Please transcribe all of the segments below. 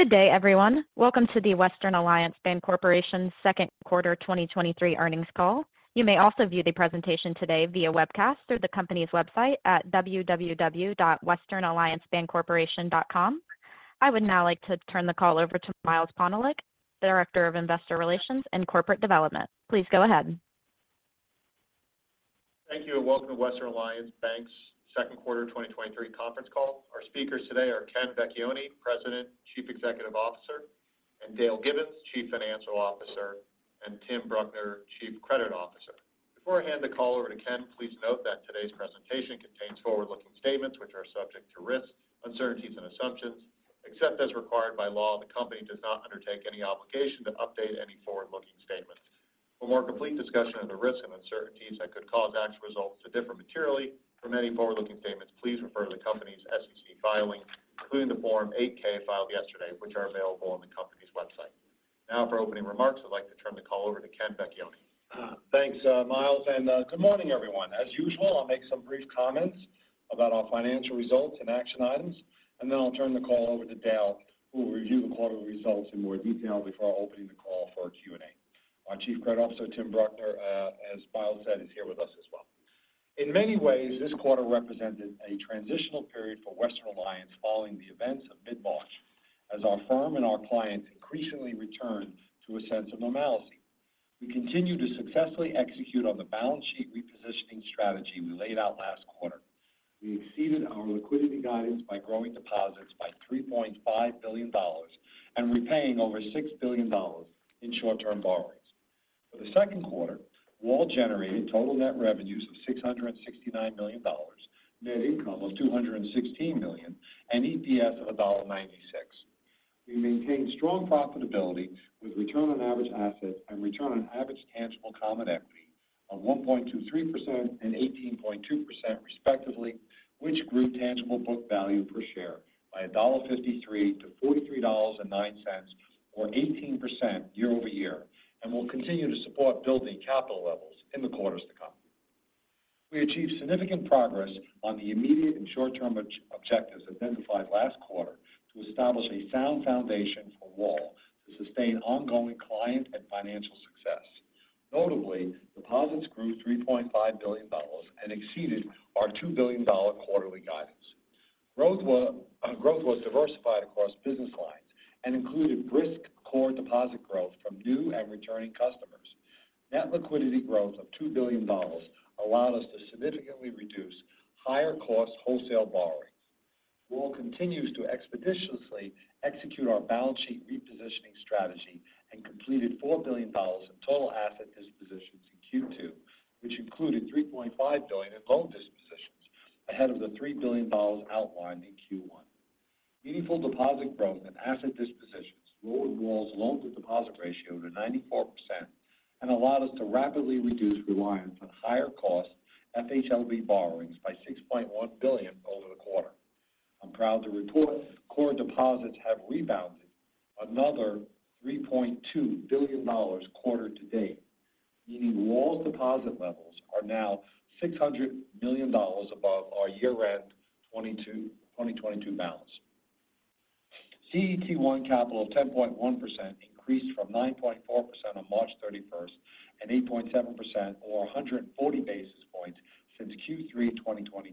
Good day, everyone. Welcome to the Western Alliance Bancorporation's Second Quarter 2023 Earnings Call. You may also view the presentation today via webcast through the company's website at investors.westernalliancebancorporation.com. I would now like to turn the call over to Miles Pondelik, Director of Investor Relations and Corporate Development. Please go ahead. Thank you. Welcome to Western Alliance Bank's Second quarter 2023 Conference Call. Our speakers today are Ken Vecchione, President, Chief Executive Officer, Dale Gibbons, Chief Financial Officer, and Tim Bruckner, Chief Credit Officer. Before I hand the call over to Ken, please note that today's presentation contains forward-looking statements which are subject to risks, uncertainties, and assumptions. Except as required by law, the company does not undertake any obligation to update any forward-looking statements. For a more complete discussion of the risks and uncertainties that could cause actual results to differ materially from any forward-looking statements, please refer to the company's SEC filings, including the Form 8-K filed yesterday, which are available on the company's website. Now, for opening remarks, I'd like to turn the call over to Ken Vecchione. Thanks, Miles, good morning, everyone. As usual, I'll make some brief comments about our financial results and action items, and then I'll turn the call over to Dale, who will review the quarter results in more detail before opening the call for a Q&A. Our Chief Credit Officer, Tim Bruckner, as Miles said, is here with us as well. In many ways, this quarter represented a transitional period for Western Alliance following the events of mid-March, as our firm and our clients increasingly returned to a sense of normalcy. We continued to successfully execute on the balance sheet repositioning strategy we laid out last quarter. We exceeded our liquidity guidance by growing deposits by $3.5 billion and repaying over $6 billion in short-term borrowings. For the second quarter, WAL generated total net revenues of $669 million, net income of $216 million, and EPS of $1.96. We maintained strong profitability with return on average assets and return on average tangible common equity of 1.23% and 18.2%, respectively, which grew tangible book value per share by $1.53-$43.09, or 18% year-over-year, and will continue to support building capital levels in the quarters to come. We achieved significant progress on the immediate and short-term objectives identified last quarter to establish a sound foundation for WAL to sustain ongoing client and financial success. Notably, deposits grew $3.5 billion and exceeded our $2 billion quarterly guidance. Growth was diversified across business lines and included risk core deposit growth from new and returning customers. Net liquidity growth of $2 billion allowed us to significantly reduce higher cost wholesale borrowings. WAL continues to expeditiously execute our balance sheet repositioning strategy and completed $4 billion in total asset dispositions in Q2, which included $3.5 billion in loan dispositions ahead of the $3 billion outlined in Q1. Meaningful deposit growth and asset dispositions lowered WAL's loan-to-deposit ratio to 94% and allowed us to rapidly reduce reliance on higher-cost FHLB borrowings by $6.1 billion over the quarter. I'm proud to report core deposits have rebounded another $3.2 billion quarter to date, meaning WAL's deposit levels are now $600 million above our year-end 2022 balance. CET1 capital of 10.1% increased from 9.4% on March 31st, and 8.7% or 140 basis points since Q3 2022,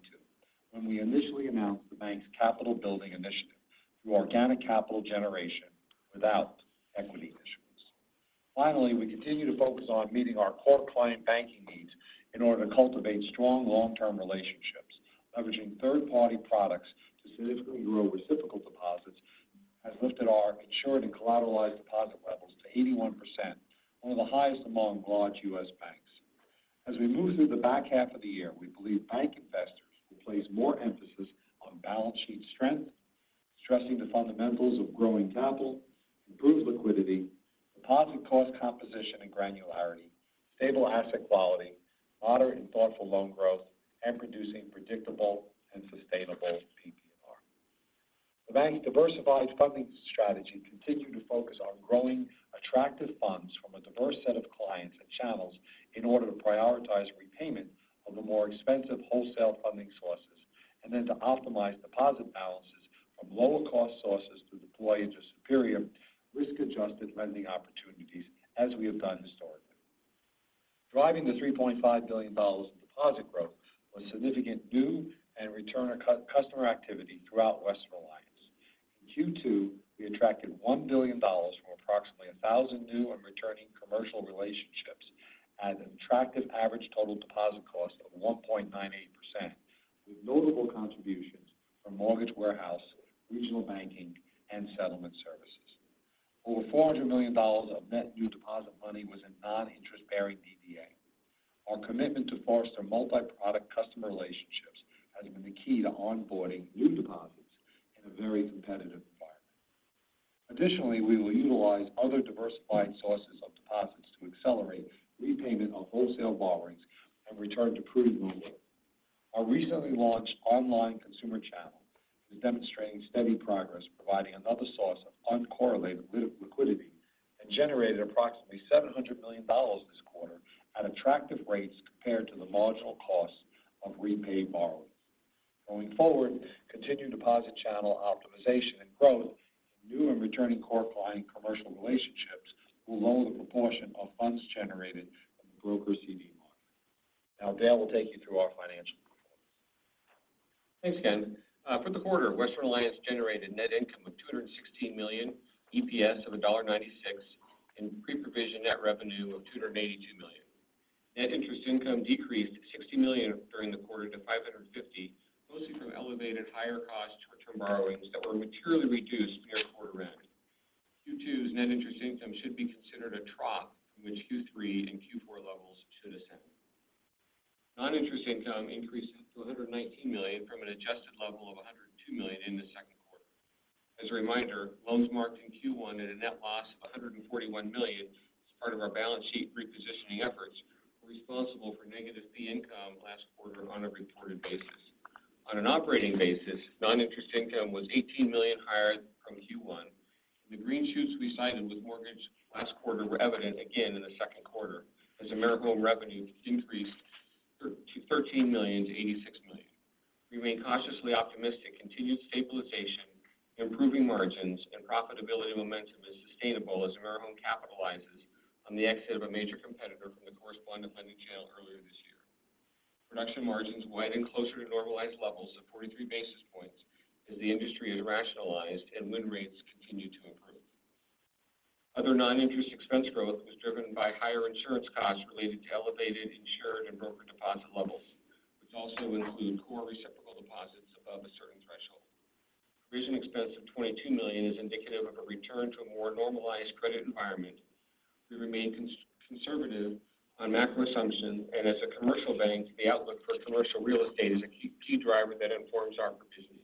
when we initially announced the bank's capital building initiative through organic capital generation without equity issuance. We continue to focus on meeting our core client banking needs in order to cultivate strong long-term relationships, leveraging third-party products to significantly grow reciprocal deposits has lifted our insured and collateralized deposit levels to 81%, one of the highest among large U.S. banks. As we move through the back half of the year, we believe bank investors will place more emphasis on balance sheet strength, stressing the fundamentals of growing capital, improved liquidity, deposit cost composition and granularity, stable asset quality, moderate and thoughtful loan growth, and producing predictable and sustainable PPNR. The bank's diversified funding strategy continued to focus on growing attractive funds from a diverse set of clients and channels in order to prioritize repayment of the more expensive wholesale funding sources, and then to optimize deposit balances from lower-cost sources to deploy into superior risk-adjusted lending opportunities, as we have done historically. Driving the $3.5 billion of deposit growth was significant new and customer activity throughout Western Alliance. In Q2, we attracted $1 billion from approximately 1,000 new and returning commercial relationships at an attractive average total deposit cost of 1.98%, with notable contributions from mortgage warehouse, regional banking, and settlement services. Over $400 million of net new deposit money was in non-interest-bearing DDA. Our commitment to foster multi-product customer relationships has been the key to onboarding new deposits in a very competitive environment. Additionally, we will utilize other diversified sources of deposits to accelerate repayment of wholesale borrowings and return to prudent lending. Our recently launched online consumer channel is demonstrating steady progress, providing another source of uncorrelated liquidity, and generated approximately $700 million this quarter at attractive rates compared to the marginal cost of repaid borrowing. Going forward, continued deposit channel optimization and growth, new and returning core client commercial relationships will lower the proportion of funds generated from the broker CD model. Now, Dale will take you through our financial performance. Thanks again. For the quarter, Western Alliance generated net income of $216 million, EPS of $1.96, and pre-provision net revenue of $282 million. Net interest income decreased $60 million during the quarter to $550 million, mostly from elevated higher costs short-term borrowings that were materially reduced near quarter end. Q2's net interest income should be considered a trough from which Q3 and Q4 levels should ascend. Non-interest income increased to $119 million from an adjusted level of $102 million in the second quarter. As a reminder, loans marked in Q1 at a net loss of $141 million as part of our balance sheet repositioning efforts, were responsible for negative fee income last quarter on a reported basis. On an operating basis, non-interest income was $18 million higher from Q1, and the green shoots we cited with mortgage last quarter were evident again in the second quarter as AmeriHome revenue increased to $13 million to $86 million. We remain cautiously optimistic, continued stabilization, improving margins, and profitability momentum is sustainable as AmeriHome capitalizes on the exit of a major competitor from the correspondent lending channel earlier this year. Production margins widened closer to normalized levels of 43 basis points as the industry is rationalized and win rates continue to improve. Other non-interest expense growth was driven by higher insurance costs related to elevated insured and broker deposit levels, which also include core reciprocal deposits above a certain threshold. Region expense of $22 million is indicative of a return to a more normalized credit environment. We remain conservative on macro assumptions, and as a commercial bank, the outlook for commercial real estate is a key driver that informs our positioning.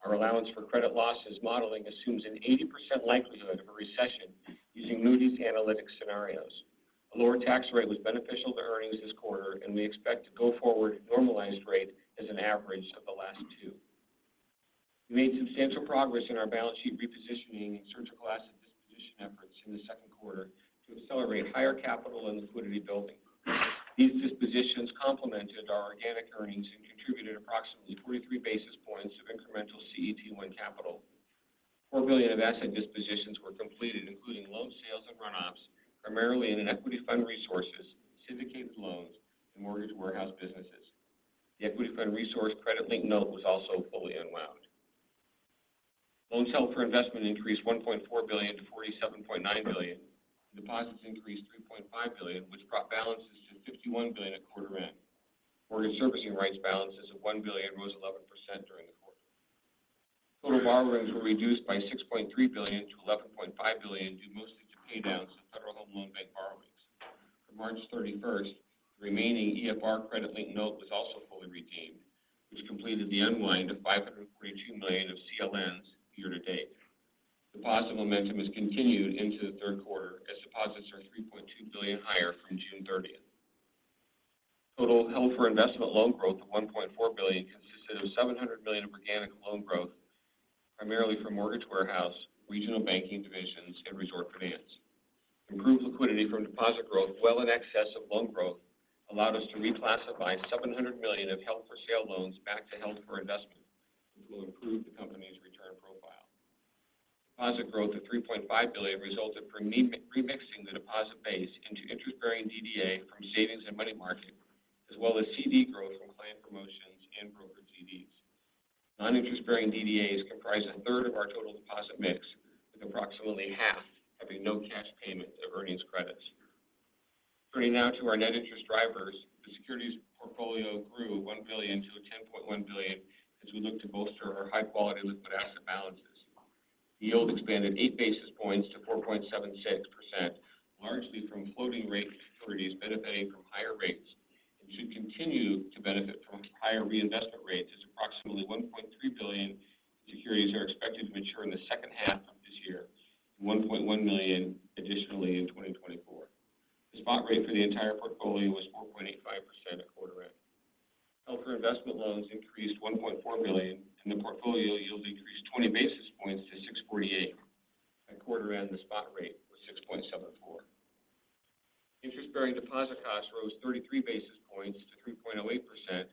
Our allowance for credit losses modeling assumes an 80% likelihood of a recession using Moody's Analytics scenarios. A lower tax rate was beneficial to earnings this quarter, and we expect to go forward at normalized rate as an average of the last two. We made substantial progress in our balance sheet repositioning and surgical asset disposition efforts in the second quarter to accelerate higher capital and liquidity building. These dispositions complemented our organic earnings and contributed approximately 23 basis points of incremental CET1 capital. $4 billion of asset dispositions were completed, including loan sales and runoffs, primarily in an Equity Fund Resources, syndicated loans, and mortgage warehouse businesses. The Equity Fund Resources Credit-Linked Note was also fully unwound. Loans held for investment increased $1.4 billion-$47.9 billion. Deposits increased $3.5 billion, which brought balances to $51 billion at quarter end. Mortgage servicing rights balances of $1 billion rose 11% during the quarter. Total borrowings were reduced by $6.3 billion-$11.5 billion, due mostly to paydowns in Federal Home Loan Bank borrowings. On March 31st, the remaining EFR Credit-Linked Note was also fully redeemed, which completed the unwind of $542 million of CLNs year to date. Deposit momentum has continued into the third quarter as deposits are $3.2 billion higher from June 30th. Total held for investment loan growth of $1.4 billion consisted of $700 million of organic loan growth, primarily from mortgage warehouse, regional banking divisions, and resort finance. Improved liquidity from deposit growth well in excess of loan growth allowed us to reclassify $700 million of held for sale loans back to held for investment, which will improve the company's return profile. Deposit growth of $3.5 billion resulted from remixing the deposit base into interest-bearing DDA from savings and money market, as well as CD growth from client promotions and broker CDs. Non-interest-bearing DDAs comprise a third of our total deposit mix, with approximately half having no cash payment of earnings credits. Turning now to our net interest drivers, the securities portfolio grew $1 billion-$10.1 billion as we look to bolster our high-quality liquid asset balances. Yield expanded 8 basis points to 4.76%, largely from floating rate securities benefiting from higher rates, and should continue to benefit from higher reinvestment rates, as approximately $1.3 billion securities are expected to mature in the second half of this year, and $1.1 million additionally in 2024. The spot rate for the entire portfolio was 4.85% at quarter end. Held for investment loans increased $1.4 million, and the portfolio yield increased 20 basis points to 6.48%. At quarter end, the spot rate was 6.74%. Interest-bearing deposit costs rose 33 basis points to 3.08%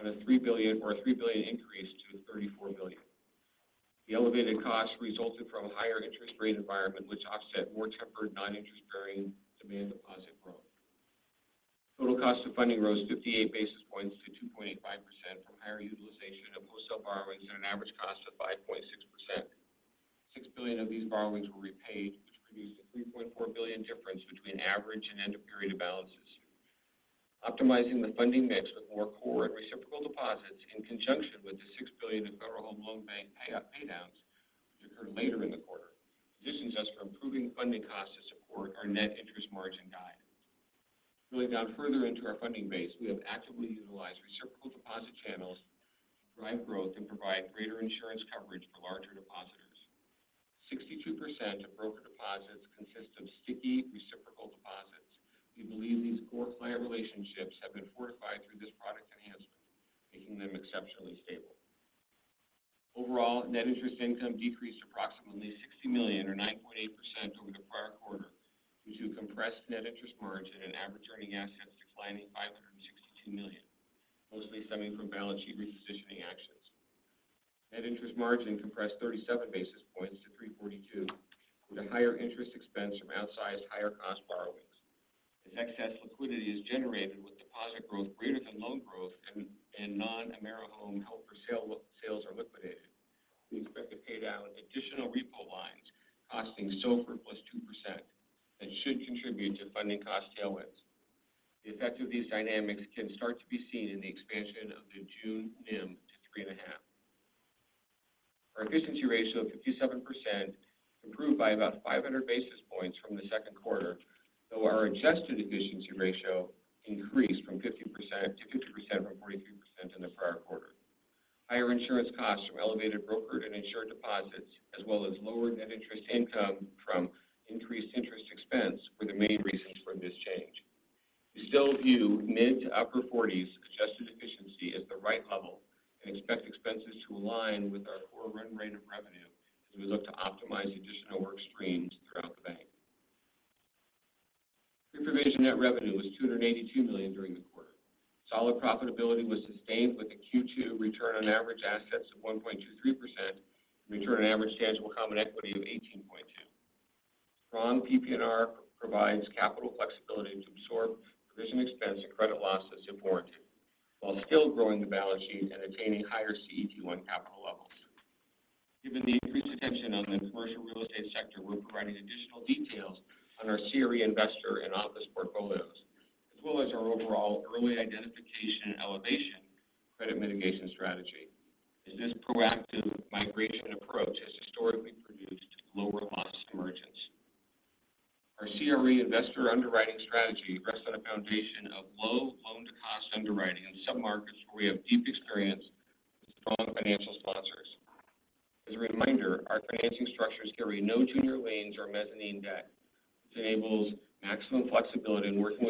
on a $3 billion or a $3 billion increase to $34 billion. The elevated costs resulted from a higher interest rate environment, which offset more tempered non-interest-bearing demand deposit growth. Total cost of funding rose 58 basis points 18.2%. Strong PPNR provides capital flexibility to absorb provision expense and credit losses if warranted, while still growing the balance sheet and attaining higher CET1 capital levels. Given the increased attention on the commercial real estate sector, we're providing additional details on our CRE investor and office portfolios, as well as our overall early identification and elevation credit mitigation strategy, as this proactive migration approach has historically produced lower loss emergence. Our CRE investor underwriting strategy rests on a foundation of low loan-to-cost underwriting in some markets where we have deep experience with strong financial sponsors. As a reminder, our financing structures carry no junior liens or mezzanine debt. This enables maximum flexibility in working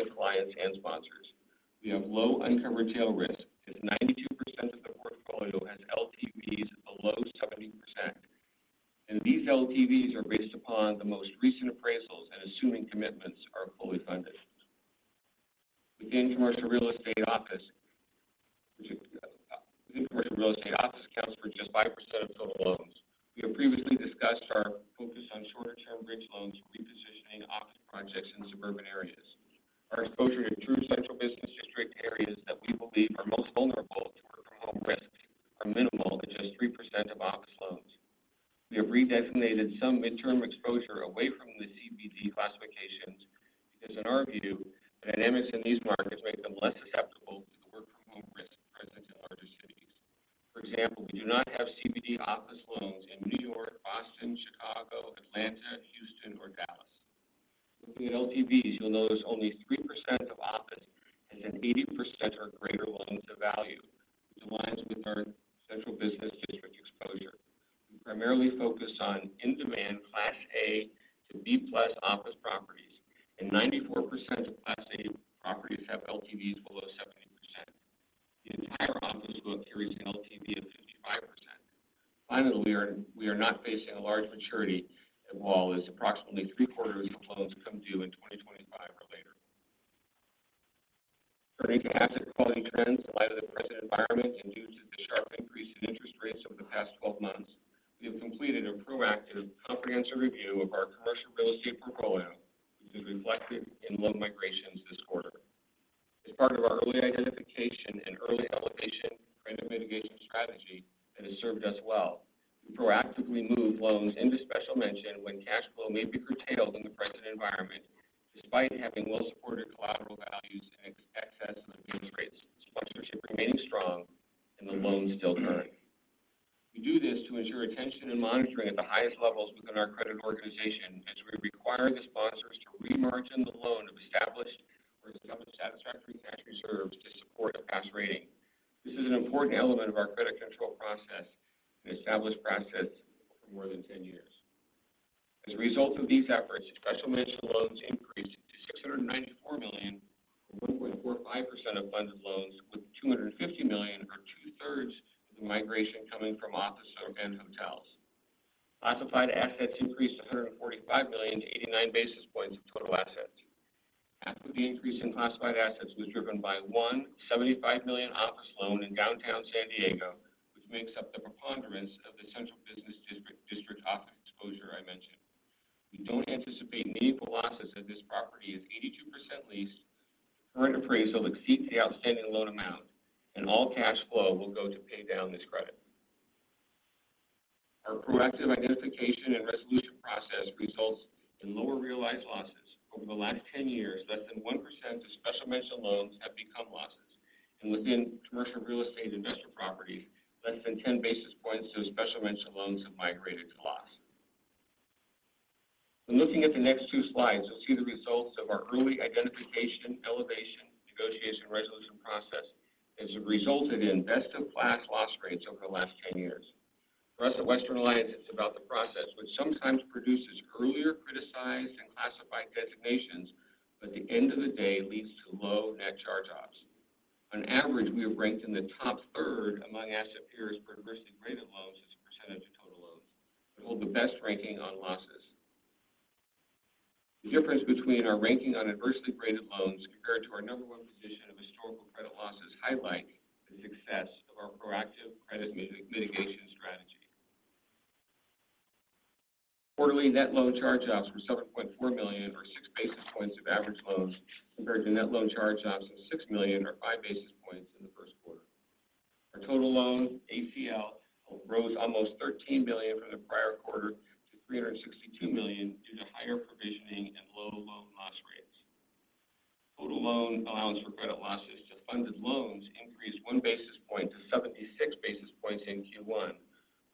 loss rates. Total loan allowance for credit losses to funded loans increased one basis point to 76 basis points in Q1,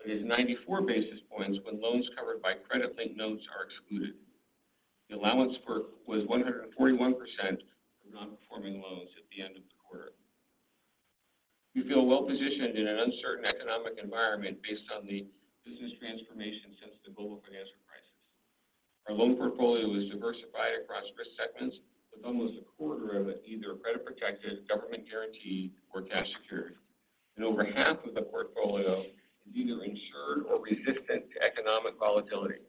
is 94 basis points when loans covered by Credit-Linked Notes are excluded. The allowance was 141% of non-performing loans at the end of the quarter. We feel well-positioned in an uncertain economic environment based on the business transformation since the global financial crisis. Our loan portfolio is diversified across risk segments, with almost a quarter of it either credit protected, government guaranteed, or cash secured. Over half of the portfolio is either insured or resistant to economic volatility.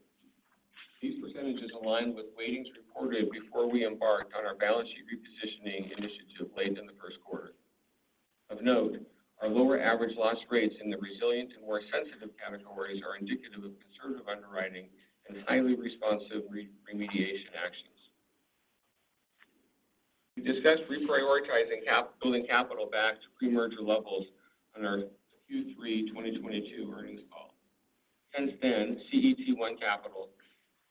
These percentages align with weightings reported before we embarked on our balance sheet repositioning initiative late in the first quarter. Of note, our lower average loss rates in the resilient and more sensitive categories are indicative of conservative underwriting and highly responsive remediation actions. We discussed reprioritizing building capital back to pre-merger levels on our Q3 2022 earnings call. Since then, CET1 capital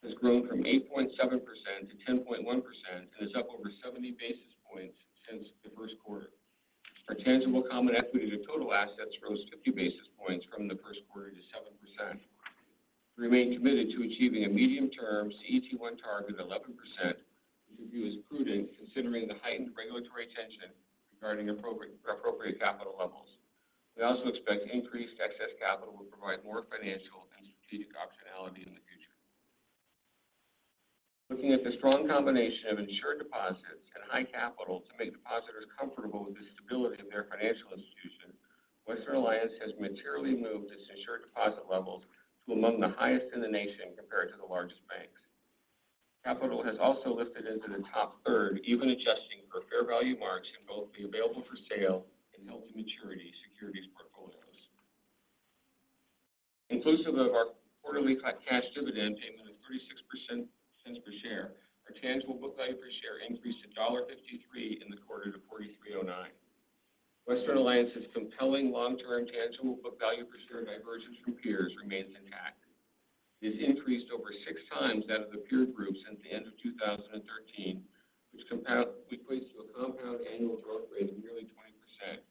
has grown from 8.7% to 10.1% and is up over 70 basis points since the first quarter. Our tangible common equity to total assets rose 50 basis points from the first quarter to 7%. We remain committed to achieving a medium-term CET1 target of 11%, which we view as prudent, considering the heightened regulatory tension regarding appropriate capital levels. We also expect increased excess capital will provide more financial and strategic optionality in the future. Looking at the strong combination of insured deposits and high capital to make depositors comfortable with the stability of their financial institution, Western Alliance has materially moved its insured deposit levels to among the highest in the nation compared to the largest banks. Capital has also lifted into the top third, even adjusting for fair value marks in both the available for sale and held-to-maturity securities portfolios. Inclusive of our quarterly cash dividend payment of 36% $0.36 per share, our tangible book value per share increased to $1.53 in the quarter to $43.09. Western Alliance's compelling long-term tangible book value per share divergence from peers remains intact. It has increased over 6x that of the peer group since the end of 2013, which we place to a compound annual growth rate of nearly 20%,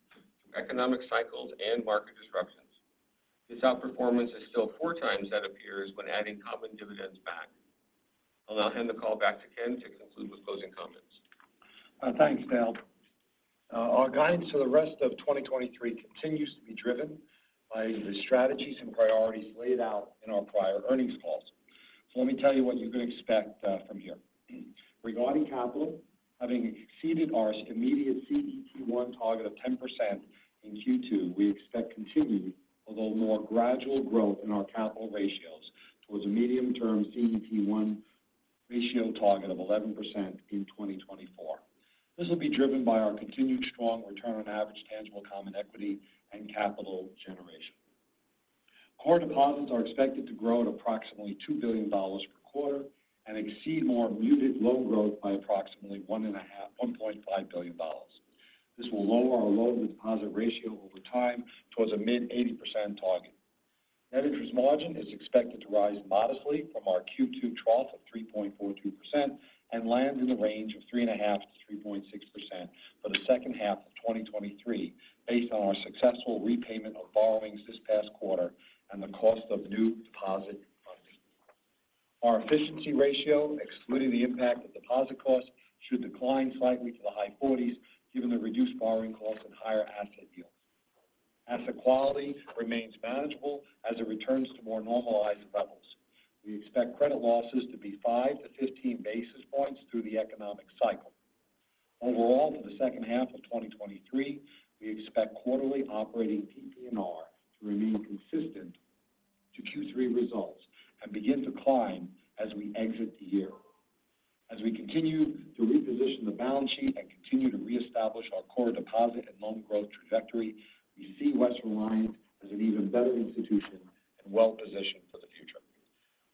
through economic cycles and market disruptions. This outperformance is still 4x that of peers when adding common dividends back. I'll now hand the call back to Ken to conclude with closing comments. Thanks, Dale. Our guidance for the rest of 2023 continues to be driven by the strategies and priorities laid out in our prior earnings calls. Let me tell you what you can expect from here. Regarding capital, having exceeded our immediate CET1 target of 10% in Q2, we expect continued, although more gradual, growth in our capital ratios towards a medium-term CET1 ratio target of 11% in 2024. This will be driven by our continued strong return on average tangible common equity and capital generation. Core deposits are expected to grow at approximately $2 billion per quarter and exceed more muted loan growth by approximately $1.5 billion. This will lower our loan-to-deposit ratio over time towards a mid-80% target. Net interest margin is expected to rise modestly from our Q2 trough of 3.42% and land in the range of 3.5%-3.6% for the second half of 2023, based on our successful repayment of borrowings this past quarter and the cost of new deposit funding. Our efficiency ratio, excluding the impact of deposit costs, should decline slightly to the high 40s, given the reduced borrowing costs and higher asset yields. Asset quality remains manageable as it returns to more normalized levels. We expect credit losses to be 5-15 basis points through the economic cycle. Overall, for the second half of 2023, we expect quarterly operating PPNR to remain consistent to Q3 results and begin to climb as we exit the year. As we continue to reposition the balance sheet and continue to reestablish our core deposit and loan growth trajectory, we see Western Alliance as an even better institution and well positioned for the future.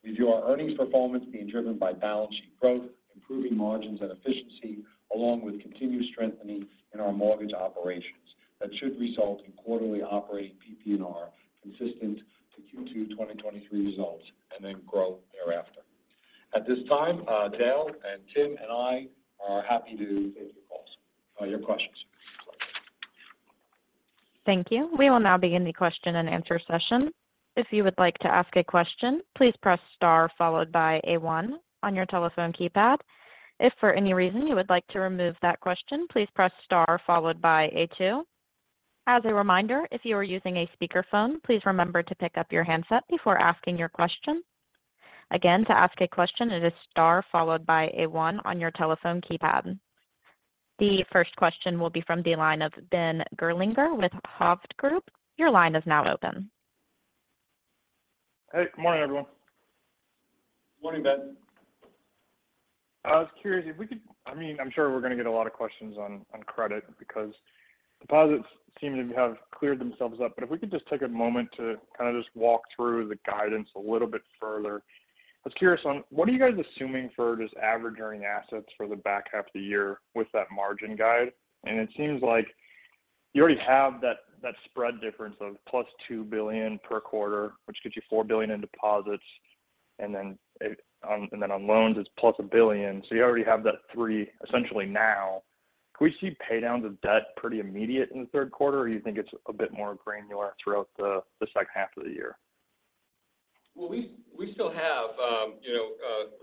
We view our earnings performance being driven by balance sheet growth, improving margins and efficiency, along with continued strengthening in our mortgage operations. That should result in quarterly operating PPNR consistent to Q2 2023 results, and then growth thereafter. At this time, Dale and Tim, and I are happy to take your calls, your questions. Thank you. We will now begin the question-and-answer session. If you would like to ask a question, please press star followed by A one on your telephone keypad. If for any reason you would like to remove that question, please press star followed by A two. As a reminder, if you are using a speakerphone, please remember to pick up your handset before asking your question. Again, to ask a question, it is star followed by A one on your telephone keypad. The first question will be from the line of Ben Gerlinger with Hovde Group. Your line is now open. Hey, good morning, everyone. Good morning, Ben. I mean, I'm sure we're gonna get a lot of questions on credit because deposits seem to have cleared themselves up. If we could just take a moment to kind of just walk through the guidance a little bit further. I was curious on what are you guys assuming for just average earning assets for the back half of the year with that margin guide? It seems like you already have that spread difference of +$2 billion per quarter, which gets you $4 billion in deposits, and then on loans, it's +$1 billion. You already have that $3 billion essentially now. Can we see pay down the debt pretty immediate in the third quarter, or you think it's a bit more granular throughout the second half of the year? Well, we still have, you know,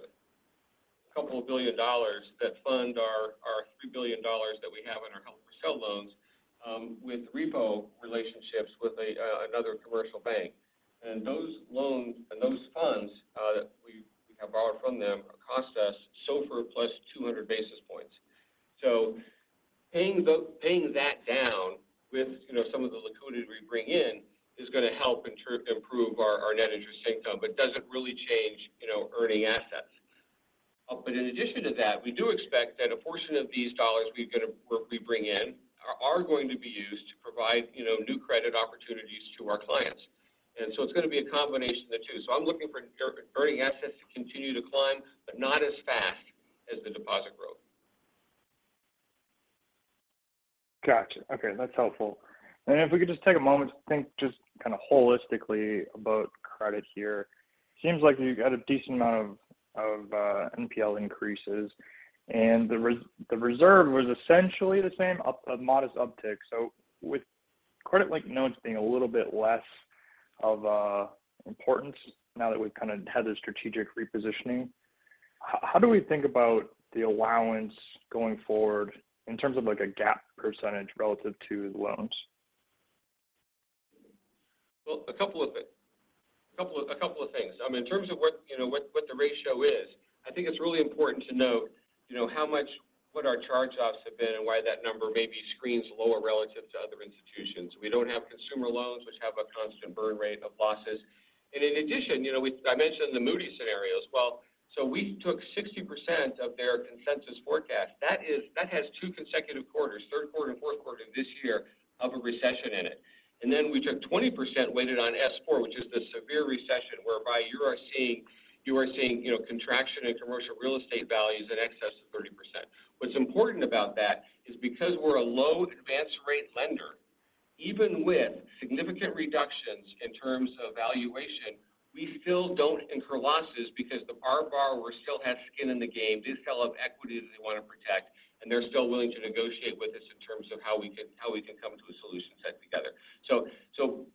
a couple of billion dollars that fund our $3 billion that we have in our held-for-sale loans, with repo relationships with another commercial bank. Those loans and those funds that we have borrowed from them, cost us SOFR+ 200 basis points. Paying that down with, you know, some of the liquidity we bring in, is gonna help improve our net interest income, but doesn't really change, you know, earning assets. In addition to that, we do expect that a portion of these dollars we bring in, are going to be used to provide, you know, new credit opportunities to our clients. It's gonna be a combination of the two. I'm looking for earning assets to continue to climb, but not as fast as the deposit growth. Gotcha. Okay, that's helpful. If we could just take a moment to think just kind of holistically about credit here. Seems like you've got a decent amount of NPL increases. The reserve was essentially the same, a modest uptick. With Credit-Linked Notes being a little bit less of importance now that we've kind of had the strategic repositioning, how do we think about the allowance going forward in terms of, like, a gap percentage relative to the loans? A couple of things. In terms of what, you know, what the ratio is, I think it's really important to note, you know, what our charge-offs have been and why that number maybe screens lower relative to other institutions. We don't have consumer loans, which have a constant burn rate of losses. In addition, you know, I mentioned the Moody's scenarios. We took 60% of their consensus forecast. That has two consecutive quarters, third quarter and fourth quarter this year, of a recession in it. Then we took 20% weighted on S4, which is the severe recession, whereby you are seeing, you know, contraction in commercial real estate values in excess of 30%. What's important about that is because we're a low advanced rate lender, even with significant reductions in terms of valuation, we still don't incur losses because the, our borrower still has skin in the game. They still have equity that they want to protect, and they're still willing to negotiate with us in terms of how we can come to a solution set together.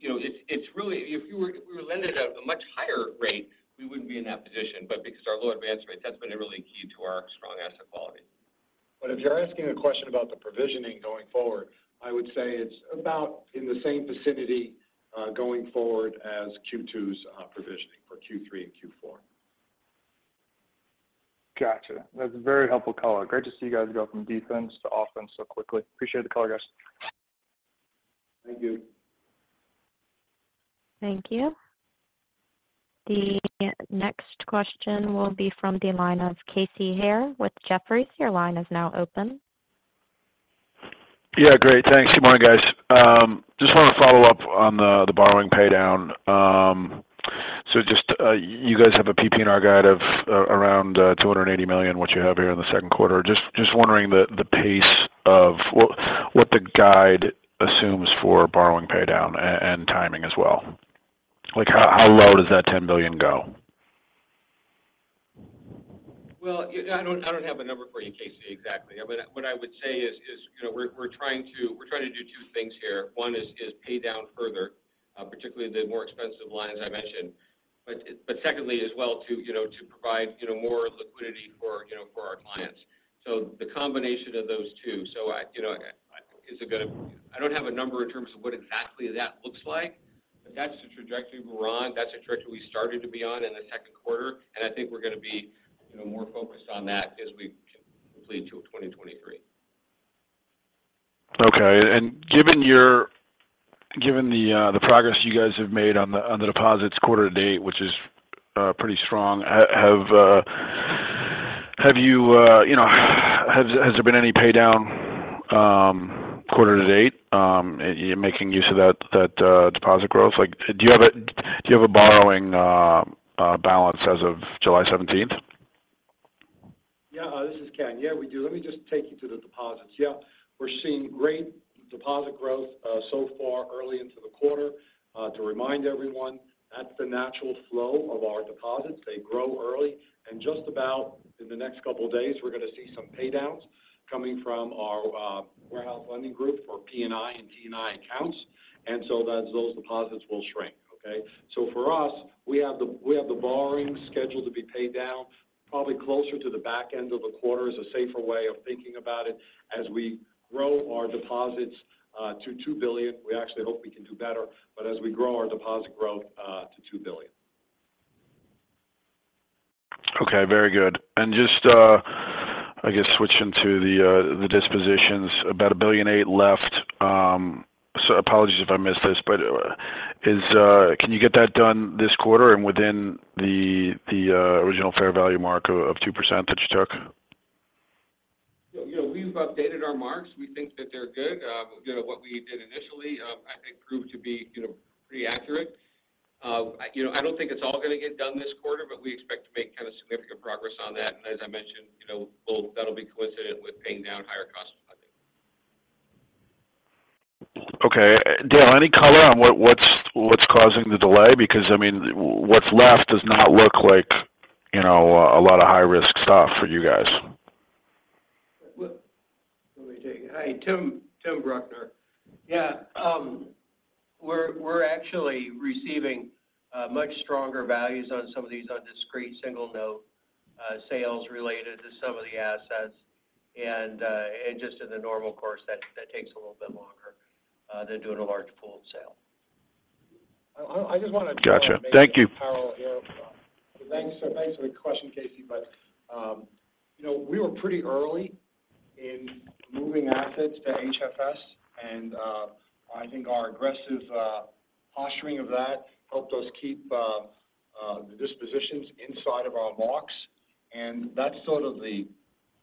You know, it's really if we were lending at a much higher rate, we wouldn't be in that position. Because our low advanced rate, that's been really key to our strong asset quality. If you're asking a question about the provisioning going forward, I would say it's about in the same vicinity, going forward as Q2's provisioning for Q3 and Q4. Gotcha. That's a very helpful color. Great to see you guys go from defense to offense so quickly. Appreciate the color, guys. Thank you. Thank you. The next question will be from the line of Casey Haire with Jefferies. Your line is now open. Yeah, great. Thanks. Good morning, guys. Just wanted to follow up on the borrowing paydown. You guys have a PPNR guide of around $280 million, which you have here in the second quarter. Just wondering the pace of what the guide assumes for borrowing paydown and timing as well. Like, how low does that $10 billion go? Well, I don't have a number for you, Casey, exactly. What I would say is, you know, we're trying to do two things here. One is pay down further, particularly the more expensive line, as I mentioned. But secondly, as well, to, you know, to provide, you know, more liquidity for, you know, for our clients. The combination of those two. I, you know, I don't have a number in terms of what exactly that looks like, but that's the trajectory we're on. That's the trajectory we started to be on in the second quarter, and I think we're going to be, you know, more focused on that as we complete to 2023. Okay. Given the progress you guys have made on the deposits quarter to date, which is pretty strong, have you know, has there been any paydown quarter to date, making use of that deposit growth? Like, do you have a borrowing balance as of July 17th? Yeah. This is Ken. Yeah, we do. Let me just take you to the deposits. Yeah, we're seeing great deposit growth so far early into the quarter. To remind everyone, that's the natural flow of our deposits. They grow early, and just about in the next couple of days, we're going to see some paydowns coming from our warehouse lending group for PNI accounts, and so that those deposits will shrink, okay? For us, we have the borrowing schedule to be paid down, probably closer to the back end of the quarter is a safer way of thinking about it as we grow our deposits to $2 billion. We actually hope we can do better, but as we grow our deposit growth to $2 billion. Okay, very good. Just, I guess switching to the dispositions, about $1.8 billion left. Apologies if I missed this, but is, can you get that done this quarter and within the original fair value mark of 2% that you took? You know, we've updated our marks. We think that they're good. You know, what we did initially, I think proved to be, you know, pretty accurate. You know, I don't think it's all gonna get done this quarter, but we expect to make kind of significant progress on that. As I mentioned, you know, that'll be coincident with paying down higher cost funding. Okay. Dale, any color on what's causing the delay? I mean, what's left does not look like, you know, a lot of high-risk stuff for you guys. Well, let me take it. Hi, Tim Bruckner. Yeah, we're actually receiving much stronger values on some of these on discrete single note sales related to some of the assets. Just in the normal course, that takes a little bit longer than doing a large pooled sale. I just wanted to. Gotcha. Thank you. Carol here. Thanks. Thanks for the question, Casey, but, you know, we were pretty early in moving assets to HFS, and I think our aggressive posturing of that helped us keep the dispositions inside of our marks. That's sort of the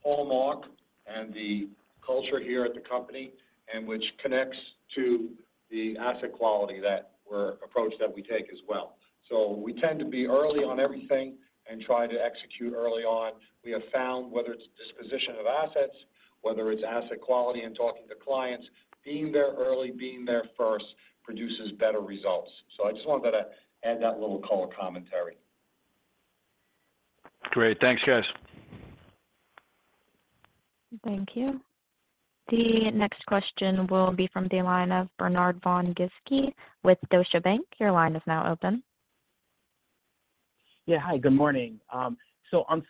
hallmark and the culture here at the company, and which connects to the asset quality that we approach that we take as well. We tend to be early on everything and try to execute early on. We have found, whether it's disposition of assets, whether it's asset quality and talking to clients, being there early, being there first, produces better results. I just wanted to add that little color commentary. Great. Thanks, guys. Thank you. The next question will be from the line of Bernard von Gizycki with Deutsche Bank. Your line is now open. Yeah, hi, good morning. On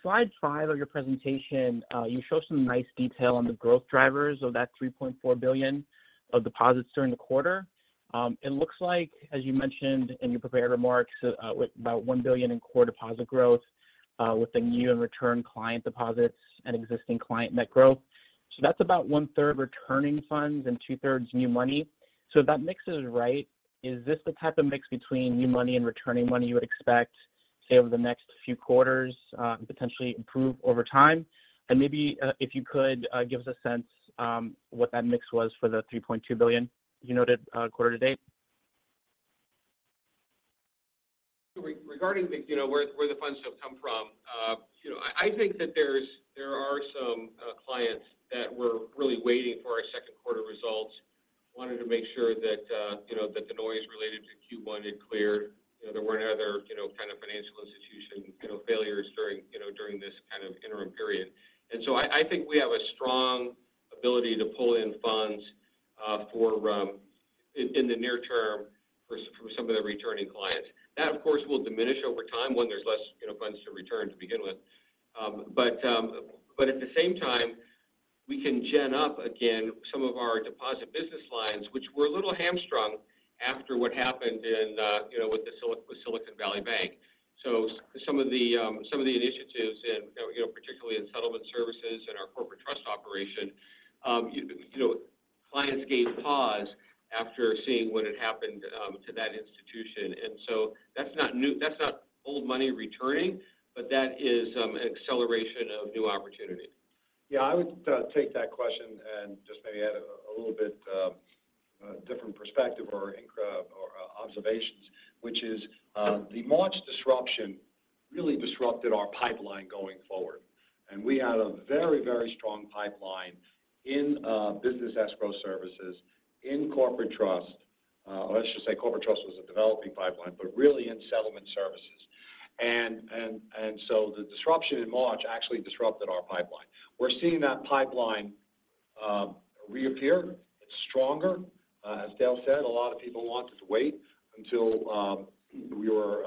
slide five of your presentation, you show some nice detail on the growth drivers of that $3.4 billion of deposits during the quarter. It looks like, as you mentioned in your prepared remarks, with about $1 billion in core deposit growth, with the new and return client deposits and existing client net growth. That's about one-third returning funds and two-thirds new money. If that mix is right, is this the type of mix between new money and returning money you would expect, say, over the next few quarters, potentially improve over time? Maybe, if you could, give us a sense, what that mix was for the $3.2 billion you noted, quarter to date? Regarding the, you know, where the funds have come from, you know, I think that there are some clients that were really waiting for our second quarter results. Wanted to make sure that, you know, that the noise related to Q1 had cleared. You know, there weren't other, you know, kind of financial institution, you know, failures during, you know, during this kind of interim period. So I think we have a strong ability to pull in funds for, in the near term for some of the returning clients. That, of course, will diminish over time when there's less, you know, funds to return to begin with. But at the same time, we can gen up again some of our deposit business lines, which were a little hamstrung after what happened in, you know, with Silicon Valley Bank. Some of the initiatives in, you know, particularly in settlement services and our corporate trust operation, you know, clients gave pause after seeing what had happened to that institution. That's not new-- that's not old money returning, but that is an acceleration of new opportunities. I would take that question and just maybe add a little bit different perspective or observations, which is, the March disruption really disrupted our pipeline going forward. We had a very strong pipeline in business escrow services, in corporate trust. Let's just say corporate trust was a developing pipeline, but really in settlement services. The disruption in March actually disrupted our pipeline. We're seeing that pipeline reappear. It's stronger. As Dale said, a lot of people wanted to wait until we were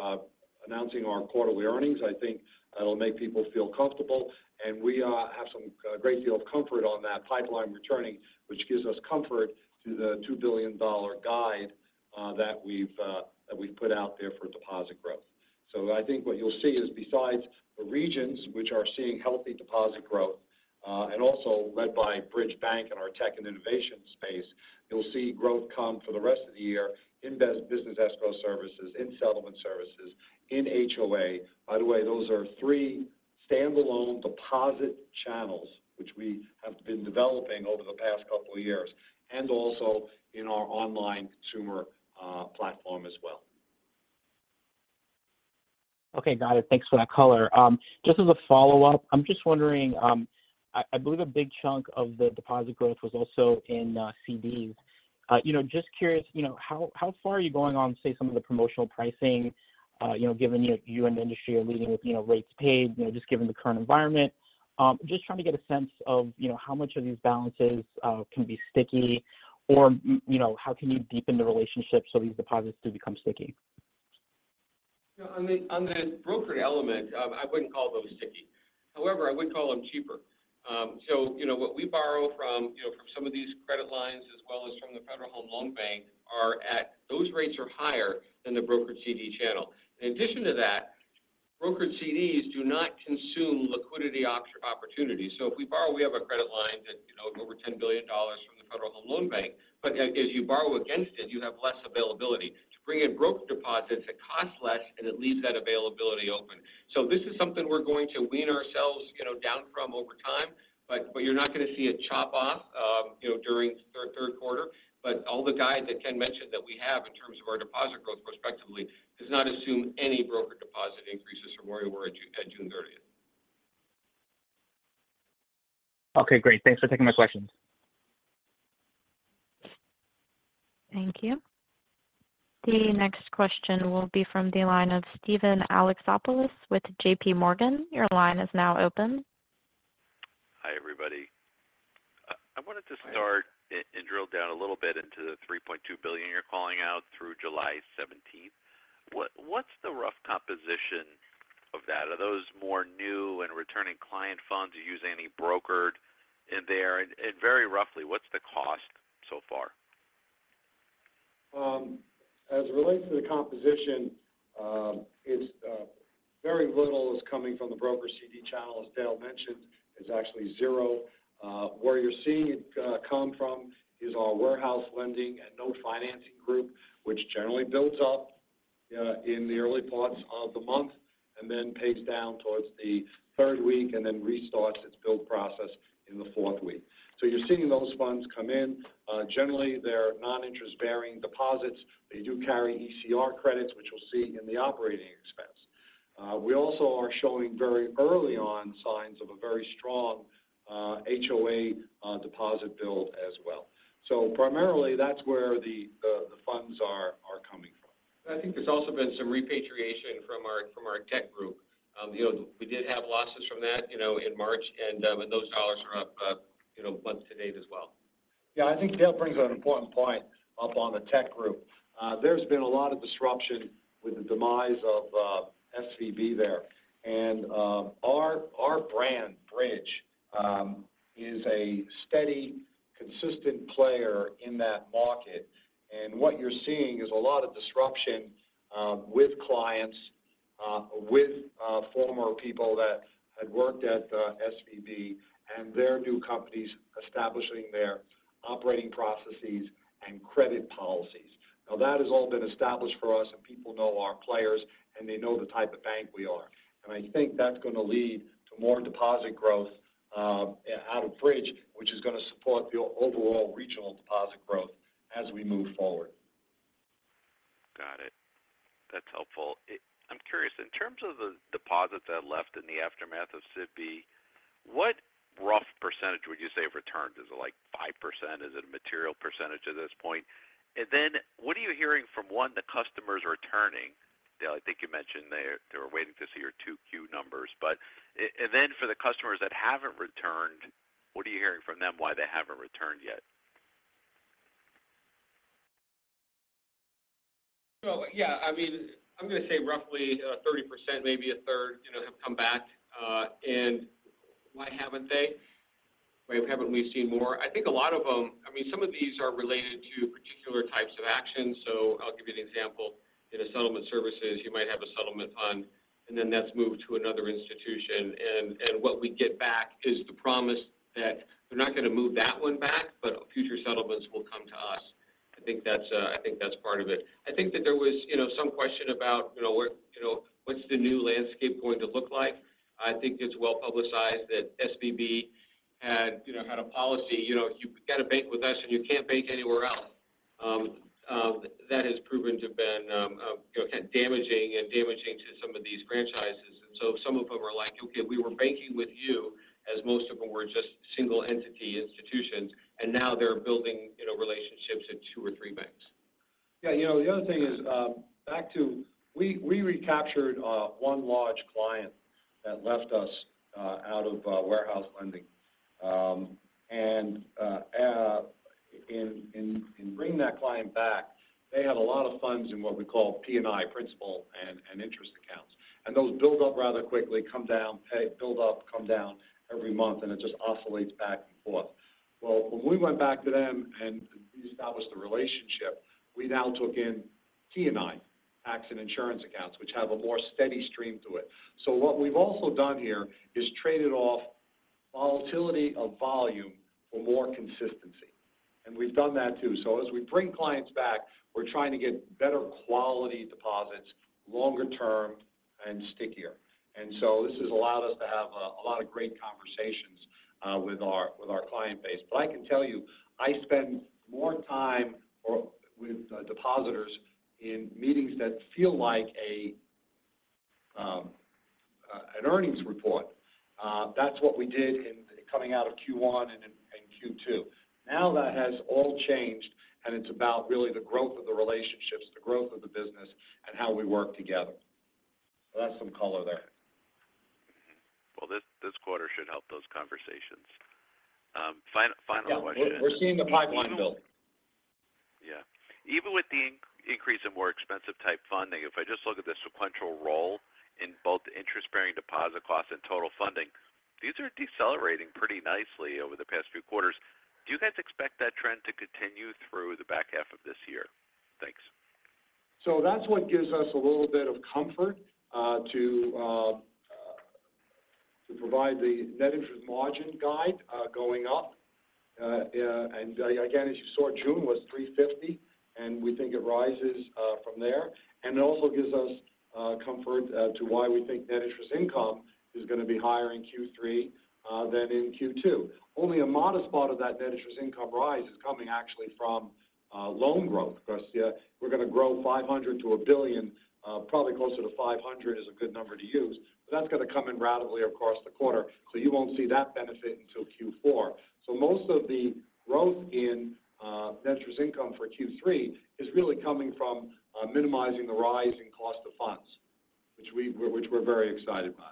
announcing our quarterly earnings. I think that'll make people feel comfortable, and we have a great deal of comfort on that pipeline returning, which gives us comfort to the $2 billion guide that we've put out there for deposit growth. I think what you'll see is besides the regions which are seeing healthy deposit growth, and also led by Bridge Bank and our tech and innovation space, you'll see growth come for the rest of the year in business escrow services, in settlement services, in HOA. By the way, those are three standalone deposit channels which we have been developing over the past couple of years, and also in our online consumer platform as well. Okay, got it. Thanks for that color. Just as a follow-up, I believe a big chunk of the deposit growth was also in CDs. You know, just curious, you know, how far are you going on, say, some of the promotional pricing, you know, given you and the industry are leading with, you know, rates paid, you know, just given the current environment? Just trying to get a sense of, you know, how much of these balances can be sticky, or you know, how can you deepen the relationship so these deposits do become sticky? You know, on the, on the brokery element, I wouldn't call those sticky. However, I would call them cheaper. You know, what we borrow from, you know, from some of these credit lines, as well as from the Federal Home Loan Bank, those rates are higher than the brokered CD channel. In addition to that, brokered CDs do not consume liquidity opportunities. If we borrow, we have a credit line that, you know, over $10 billion from the Federal Home Loan Bank, but as you borrow against it, you have less availability. To bring in broker deposits, it costs less, and it leaves that availability open. This is something we're going to wean ourselves, you know, down from over time, but you're not gonna see a chop-off, you know, during third quarter. All the guides that Ken mentioned that we have in terms of our deposit growth prospectively, does not assume any broker deposit increases from where we were at June, at June 30th. Okay, great. Thanks for taking my questions. Thank you. The next question will be from the line of Steven Alexopoulos with J.P. Morgan. Your line is now open. Hi, everybody. Hi. Drill down a little bit into the $3.2 billion you're calling out through July 17th. What's the rough composition of that? Are those more new and returning client funds? Are you using any brokered in there? Very roughly, what's the cost so far? As it relates to the composition, it's very little is coming from the broker CD channel. As Dale mentioned, it's actually zero. Where you're seeing it come from is our warehouse lending and note financing group, which generally builds up in the early parts of the month, and then pays down towards the third week, and then restarts its build process in the fourth week. You're seeing those funds come in. Generally, they're non-interest bearing deposits. They do carry ECR credits, which you'll see in the operating expense. We also are showing very early on signs of a very strong HOA deposit build as well. Primarily, that's where the funds are coming from. I think there's also been some repatriation from our tech group. you know, we did have losses from that, you know, in March, and those dollars are up, you know, month to date as well. Yeah, I think Dale brings up an important point up on the tech group. There's been a lot of disruption with the demise of SVB there. Our brand, Bridge, is a steady, consistent player in that market. What you're seeing is a lot of disruption with clients, with former people that had worked at SVB and their new companies establishing their operating processes and credit policies. That has all been established for us, and people know our players, and they know the type of bank we are. I think that's gonna lead to more deposit growth out of Bridge, which is gonna support the overall regional deposit growth as we move forward. Got it. That's helpful. I'm curious, in terms of the deposits that left in the aftermath of SVB, what rough percentage would you say have returned? Is it, like, 5%? Is it a material percentage at this point? Then, what are you hearing from, one, the customers returning? Dale, I think you mentioned they were waiting to see your two key numbers. Then for the customers that haven't returned, what are you hearing from them, why they haven't returned yet? Yeah, I mean, I'm gonna say roughly 30%, maybe a third, you know, have come back. Why haven't they? Why haven't we seen more? I mean, some of these are related to particular types of actions. I'll give you an example. In a settlement services, you might have a settlement fund, then that's moved to another institution, and what we get back is the promise that they're not gonna move that one back, future settlements will come to us. I think that's, I think that's part of it. I think that there was, you know, some question about, you know, where, you know, "What's the new landscape going to look like?" I think it's well-publicized that SVB had, you know, had a policy. You know, you've got to bank with us, and you can't bank anywhere else. That has proven to have been, you know, damaging to some of these franchises. Some of them are like, "Okay, we were banking with you," as most of them were just single-entity institutions, and now they're building, you know, relationships at two or three banks. Yeah, you know, the other thing is, back to we recaptured one large client that left us out of warehouse lending. In bringing that client back, they had a lot of funds in what we call P&I, principal and interest accounts. Those build up rather quickly, come down, pay, build up, come down every month, and it just oscillates back and forth. Well, when we went back to them and re-established the relationship, we now took in T&I, tax and insurance accounts, which have a more steady stream to it. What we've also done here is traded off volatility of volume for more consistency, and we've done that too. As we bring clients back, we're trying to get better quality deposits, longer term, and stickier. This has allowed us to have a lot of great conversations with our client base. I can tell you, I spend more time or with depositors in meetings that feel like an earnings report. That's what we did in coming out of Q1 and too. That has all changed, and it's about really the growth of the relationships, the growth of the business, and how we work together. That's some color there. This quarter should help those conversations. Final question- Yeah, we're seeing the pipeline build. Yeah. Even with the increase in more expensive type funding, if I just look at the sequential role in both the interest-bearing deposit costs and total funding, these are decelerating pretty nicely over the past few quarters. Do you guys expect that trend to continue through the back half of this year? Thanks. That's what gives us a little bit of comfort, to provide the net interest margin guide, going up. Again, as you saw, June was 3.50%, and we think it rises from there. It also gives us comfort to why we think net interest income is going to be higher in Q3 than in Q2. Only a modest part of that net interest income rise is coming actually from loan growth. Yeah, we're going to grow $500 million to $1 billion, probably closer to $500 million is a good number to use, but that's going to come in ratably across the quarter. You won't see that benefit until Q4. Most of the growth in net interest income for Q3 is really coming from minimizing the rise in cost of funds, which we're very excited by.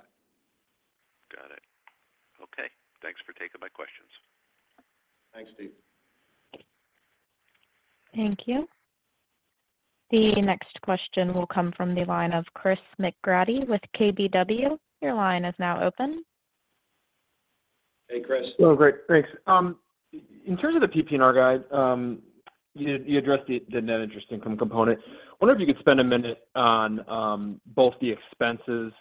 Got it. Okay, thanks for taking my questions. Thanks, Steve. Thank you. The next question will come from the line of Chris McGratty with KBW. Your line is now open. Hey, Chris. Great, thanks. In terms of the PPNR guide, you addressed the net interest income component. I wonder if you could spend a minute on both the expenses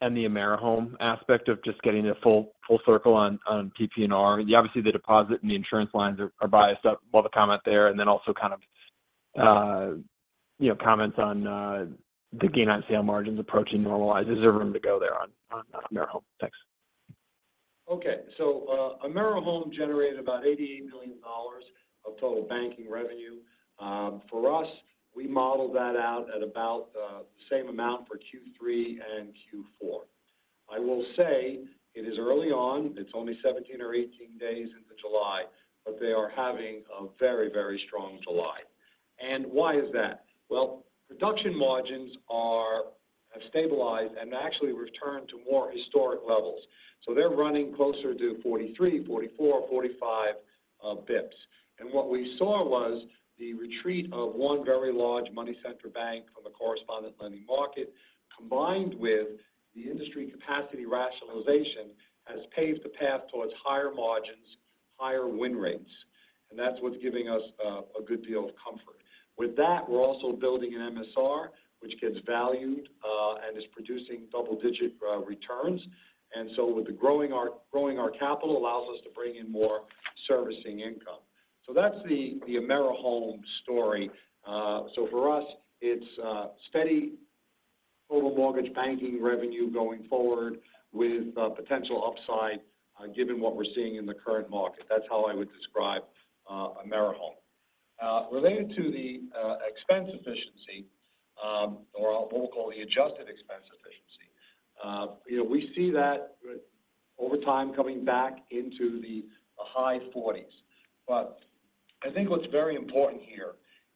and the AmeriHome aspect of just getting a full circle on PPNR. Obviously, the deposit and the insurance lines are biased up, love the comment there. Also kind of, you know, comments on the gain on sale margins approaching normalized. Is there room to go there on AmeriHome? Thanks. AmeriHome generated about $88 million of total banking revenue. For us, we model that out at about the same amount for Q3 and Q4. I will say it is early on, it's only 17 or 18 days into July, but they are having a very, very strong July. Why is that? Well, production margins are stabilized and actually returned to more historic levels. They're running closer to 43, 44, 45 basis points. What we saw was the retreat of one very large money center bank from the correspondent lending market, combined with the industry capacity rationalization, has paved the path towards higher margins, higher win rates. That's what's giving us a good deal of comfort. With that, we're also building an MSR, which gets valued and is producing double-digit returns. With growing our capital allows us to bring in more servicing income. That's the AmeriHome story. For us, it's a steady total mortgage banking revenue going forward with a potential upside given what we're seeing in the current market. That's how I would describe AmeriHome. Related to the expense efficiency, or what we call the adjusted expense efficiency, you know, we see that over time coming back into the high 40s. I think what's very important here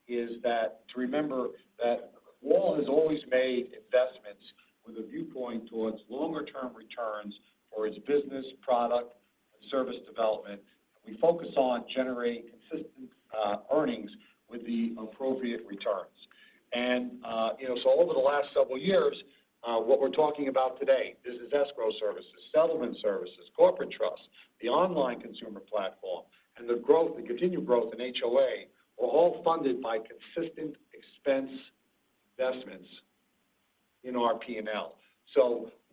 is that to remember that WAL has always made investments with a viewpoint towards longer-term returns for its business, product, and service development. We focus on generating consistent earnings with the appropriate returns. You know, so over the last several years, what we're talking about today, this is escrow services, settlement services, corporate trust, the online consumer platform, and the growth, the continued growth in HOA were all funded by consistent expense investments in our P&L.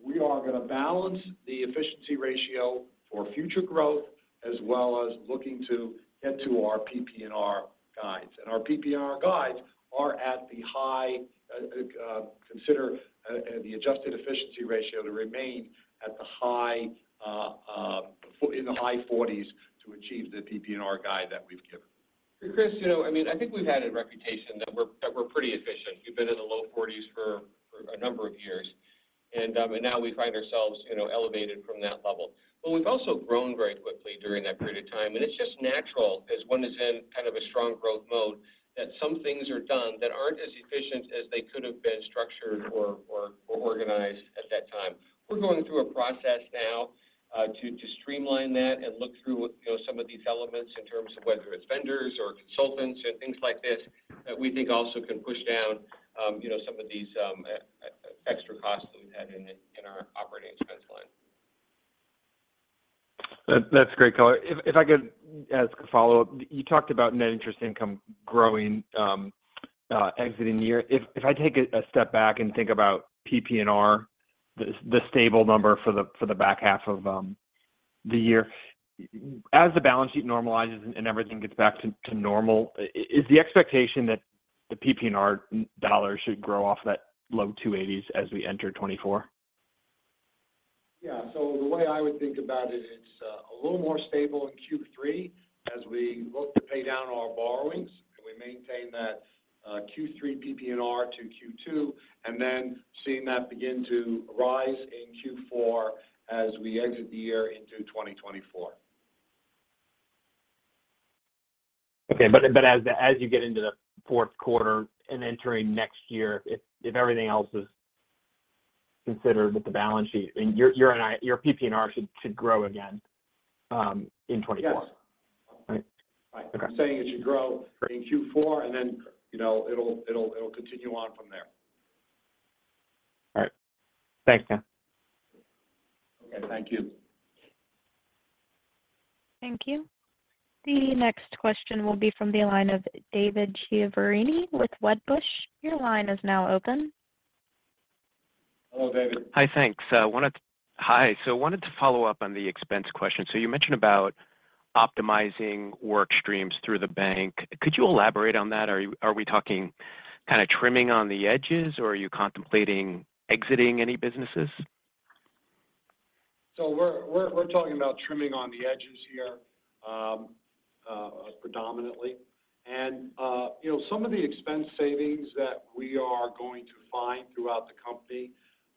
We are going to balance the efficiency ratio for future growth, as well as looking to get to our PPNR guides. Our PPNR guides are at the high, consider the adjusted efficiency ratio to remain in the high 40s to achieve the PPNR guide that we've given. Chris, you know, I mean, I think we've had a reputation that we're pretty efficient. We've been in the low 40s for a number of years, and now we find ourselves, you know, elevated from that level. We've also grown very quickly during that period of time, and it's just natural as one is in kind of a strong growth mode, that some things are done that aren't as efficient as they could have been structured or, or organized at that time. We're going through a process now to streamline that and look through, you know, some of these elements in terms of whether it's vendors or consultants or things like this, that we think also can push down, you know, some of these extra costs that we've had in our operating expense line. That's great color. If I could ask a follow-up. You talked about net interest income growing, exiting the year. If I take a step back and think about PPNR, the stable number for the back half of the year, as the balance sheet normalizes and everything gets back to normal, is the expectation that the PPNR dollar should grow off that low 280s as we enter 2024? Yeah. The way I would think about it's a little more stable in Q3 as we look to pay down our borrowings. We maintain that Q3 PPNR to Q2, and then seeing that begin to rise in Q4 as we exit the year into 2024. Okay. As the, as you get into the fourth quarter and entering next year, if everything else is considered with the balance sheet, and your PPNR should grow again, in 2024? Yes. Right. Right. Okay. I'm saying it should grow- Great in Q4, and then, you know, it'll continue on from there. All right. Thanks, Ken. Okay, thank you. Thank you. The next question will be from the line of David Chiaverini with Wedbush. Your line is now open. Hello, David. Hi, thanks. wanted to follow up on the expense question. You mentioned about optimizing work streams through the bank. Could you elaborate on that? Are we talking kind of trimming on the edges, or are you contemplating exiting any businesses? We're talking about trimming on the edges here, predominantly. You know, some of the expense savings that we are going to find throughout the company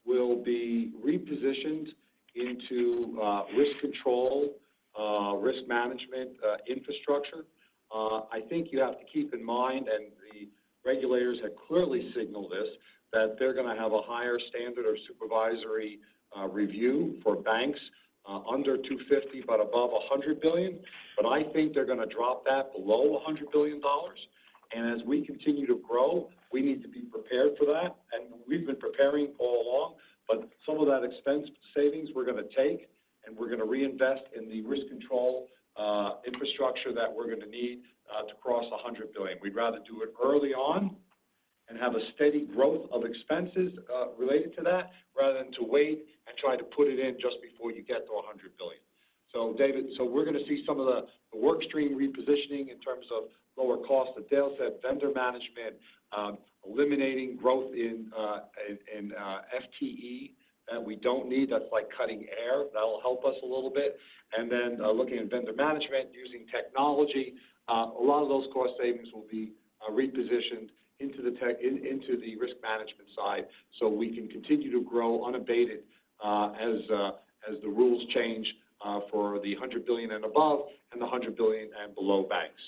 will be repositioned into risk control, risk management, infrastructure. I think you have to keep in mind, and the regulators have clearly signaled this, that they're going to have a higher standard of supervisory review for banks under 250, but above $100 billion. I think they're going to drop that below $100 billion. As we continue to grow, we need to be prepared for that, and we've been preparing all along. Some of that expense savings we're going to take, and we're going to reinvest in the risk control infrastructure that we're going to need to cross $100 billion. We'd rather do it early on and have a steady growth of expenses, related to that, rather than to wait and try to put it in just before you get to $100 billion. David, we're going to see some of the work stream repositioning in terms of lower cost of sales at vendor management, eliminating growth in FTE that we don't need. That's like cutting air. That'll help us a little bit. Then, looking at vendor management, using technology, a lot of those cost savings will be repositioned into the tech, into the risk management side, so we can continue to grow unabated, as the rules change, for the $100 billion and above, and the $100 billion and below banks.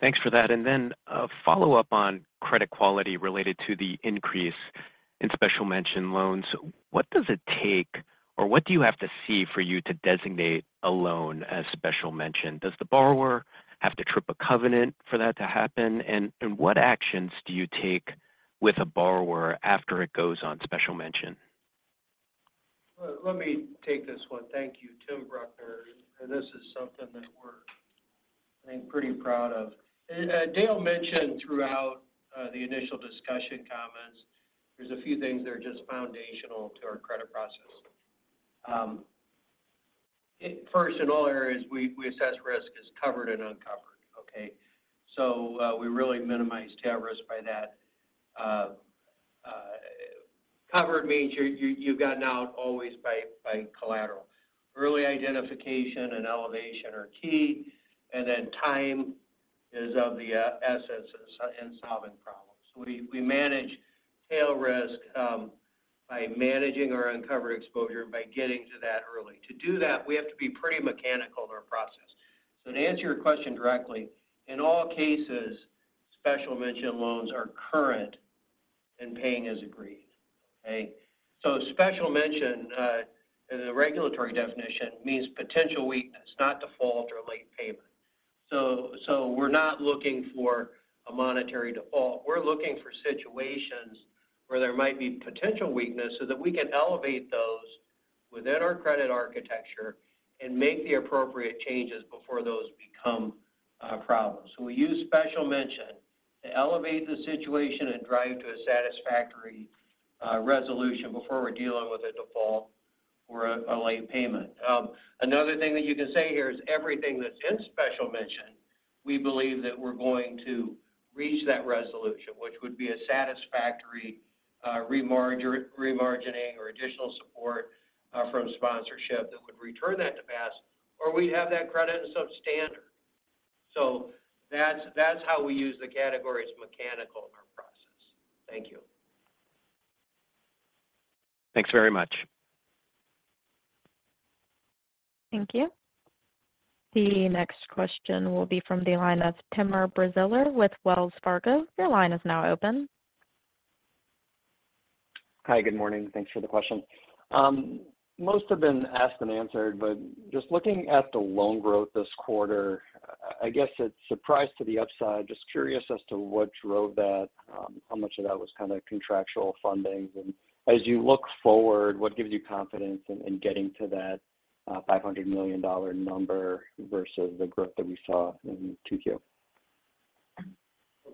Thanks for that. Then a follow-up on credit quality related to the increase in special mention loans. What does it take, or what do you have to see for you to designate a loan as special mention? Does the borrower have to trip a covenant for that to happen? What actions do you take with a borrower after it goes on special mention? Let me take this one. Thank you, Tim Bruckner. This is something that we're, I think, pretty proud of. Dale mentioned throughout the initial discussion comments, there's a few things that are just foundational to our credit process. First, in all areas, we assess risk as covered and uncovered, okay? We really minimize tail risk by that. Covered means you're, you've got an out always by collateral. Early identification and elevation are key, and then time is of the essence in solving problems. We manage tail risk by managing our uncovered exposure by getting to that early. To do that, we have to be pretty mechanical in our process. To answer your question directly, in all cases, special mention loans are current and paying as agreed. Okay? Special mention, in the regulatory definition, means potential weakness, not default or late payment. We're not looking for a monetary default. We're looking for situations where there might be potential weakness, so that we can elevate those within our credit architecture and make the appropriate changes before those become problems. We use special mention to elevate the situation and drive to a satisfactory resolution before we're dealing with a default or a late payment. Another thing that you can say here is everything that's in special mention, we believe that we're going to reach that resolution, which would be a satisfactory remargining or additional support from sponsorship that would return that to pass, or we'd have that credit as substandard. That's how we use the category. It's mechanical in our process. Thank you. Thanks very much. Thank you. The next question will be from the line of Timur Braziler with Wells Fargo. Your line is now open. Hi, good morning. Thanks for the question. Most have been asked and answered. Just looking at the loan growth this quarter, I guess it's surprise to the upside. Just curious as to what drove that, how much of that was kind of contractual fundings? As you look forward, what gives you confidence in getting to that $500 million number versus the growth that we saw in 2Q?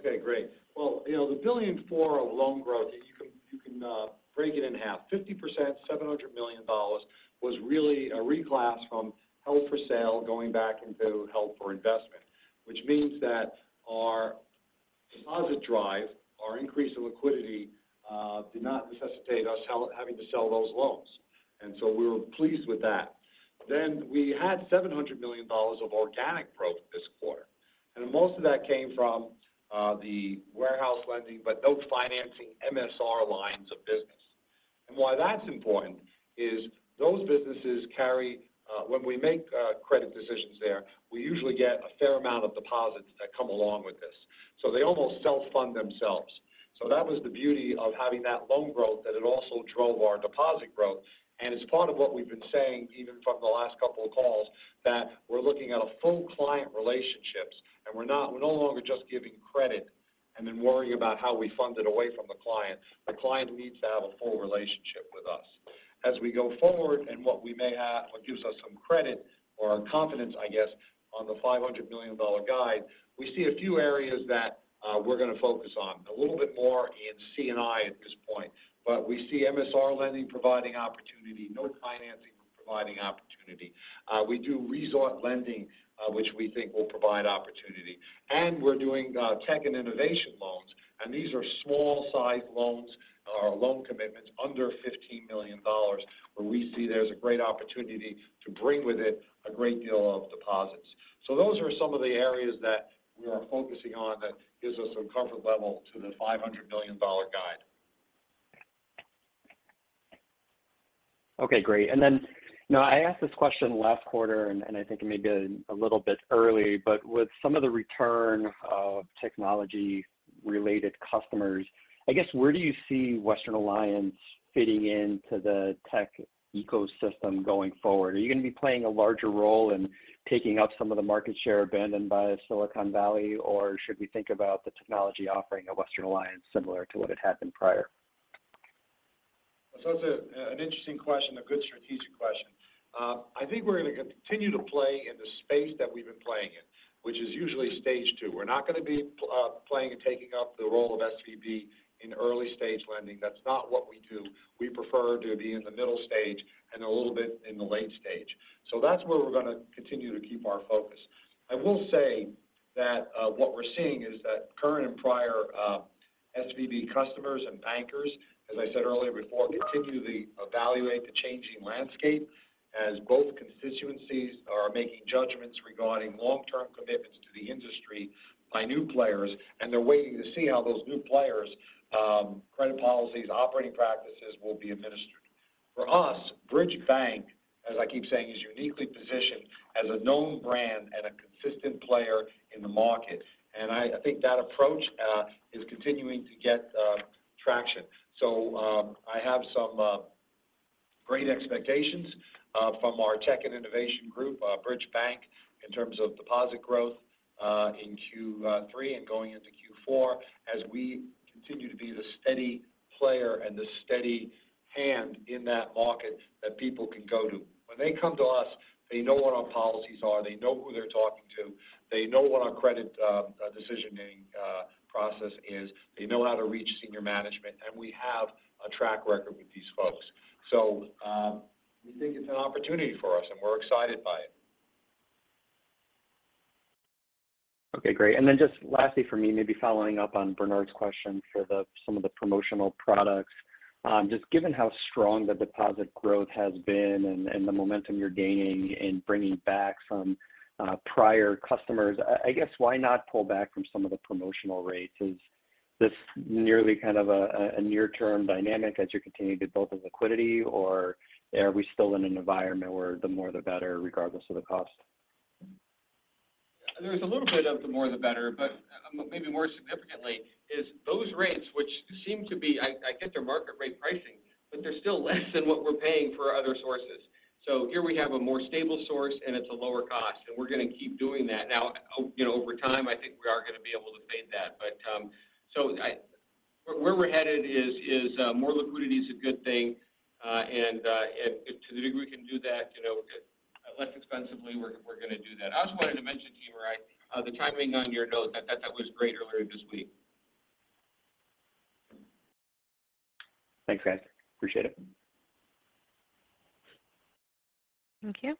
Okay, great. Well, you know, the $1 billion for loan growth is you can break it in half. 50%, $700 million, was really a reclass from held for sale, going back into held for investment. Which means that our deposit drive, our increase in liquidity, did not necessitate us having to sell those loans. We were pleased with that. We had $700 million of organic growth this quarter, and most of that came from the warehouse lending, but those financing MSR lines of business. That's important is those businesses carry when we make credit decisions there, we usually get a fair amount of deposits that come along with this. They almost self-fund themselves. That was the beauty of having that loan growth, that it also drove our deposit growth. It's part of what we've been saying, even from the last couple of calls, that we're looking at a full client relationships, we're no longer just giving credit and then worrying about how we fund it away from the client. The client needs to have a full relationship with us. As we go forward and what we may have, what gives us some credit or confidence, I guess, on the $500 million guide, we see a few areas that we're going to focus on. A little bit more in C&I at this point. We see MSR lending providing opportunity, note financing providing opportunity. We do resort lending, which we think will provide opportunity. We're doing tech and innovation loans, and these are small-sized loans or loan commitments under $15 million, where we see there's a great opportunity to bring with it a great deal of deposits. Those are some of the areas that we are focusing on that gives us some comfort level to the $500 million guide. Okay, great. Now, I asked this question last quarter, and I think it may be a little bit early, but with some of the return of technology-related customers, I guess, where do you see Western Alliance fitting into the tech ecosystem going forward? Are you going to be playing a larger role in taking up some of the market share abandoned by Silicon Valley, or should we think about the technology offering of Western Alliance similar to what had happened prior? That's an interesting question, a good strategic question. I think we're going to continue to play in the space that we've been playing in, which is usually stage two. We're not going to be playing and taking up the role of SVB in early-stage lending. That's not what we do. We prefer to be in the middle stage and a little bit in the late stage. That's where we're going to continue to keep our focus. I will say that what we're seeing is that current and prior SVB customers and bankers, as I said earlier before, continue to evaluate the changing landscape as both constituencies are making judgments regarding long-term commitments to the industry by new players, and they're waiting to see how those new players' credit policies, operating practices will be administered. For us, Bridge Bank, as I keep saying, is uniquely positioned as a known brand and a consistent player in the market. I think that approach is continuing to get traction. I have some great expectations from our tech and innovation group, Bridge Bank, in terms of deposit growth in Q3 and going into Q4, as we continue to be the steady player and the steady hand in that market that people can go to. When they come to us, they know what our policies are, they know who they're talking to, they know what our credit decision-making process is, they know how to reach senior management, and we have a track record with these folks. We think it's an opportunity for us, and we're excited by it. Okay, great. Just lastly for me, maybe following up on Bernard's question for some of the promotional products. Just given how strong the deposit growth has been and the momentum you're gaining in bringing back some prior customers, I guess, why not pull back from some of the promotional rates? Is this merely kind of a near-term dynamic as you continue to build the liquidity, or are we still in an environment where the more, the better, regardless of the cost? There's a little bit of the more, the better, but maybe more significantly, is those rates, which seem to be. I get their market rate pricing, but they're still less than what we're paying for other sources. Here we have a more stable source, and it's a lower cost, and we're going to keep doing that. You know, over time, I think we are going to be able to fade that. Where we're headed is, more liquidity is a good thing, and to the degree we can do that, you know, less expensively, we're going to do that. I also wanted to mention to you, Mariah, the timing on your note. That was great earlier this week. Thanks, guys. Appreciate it. Thank you.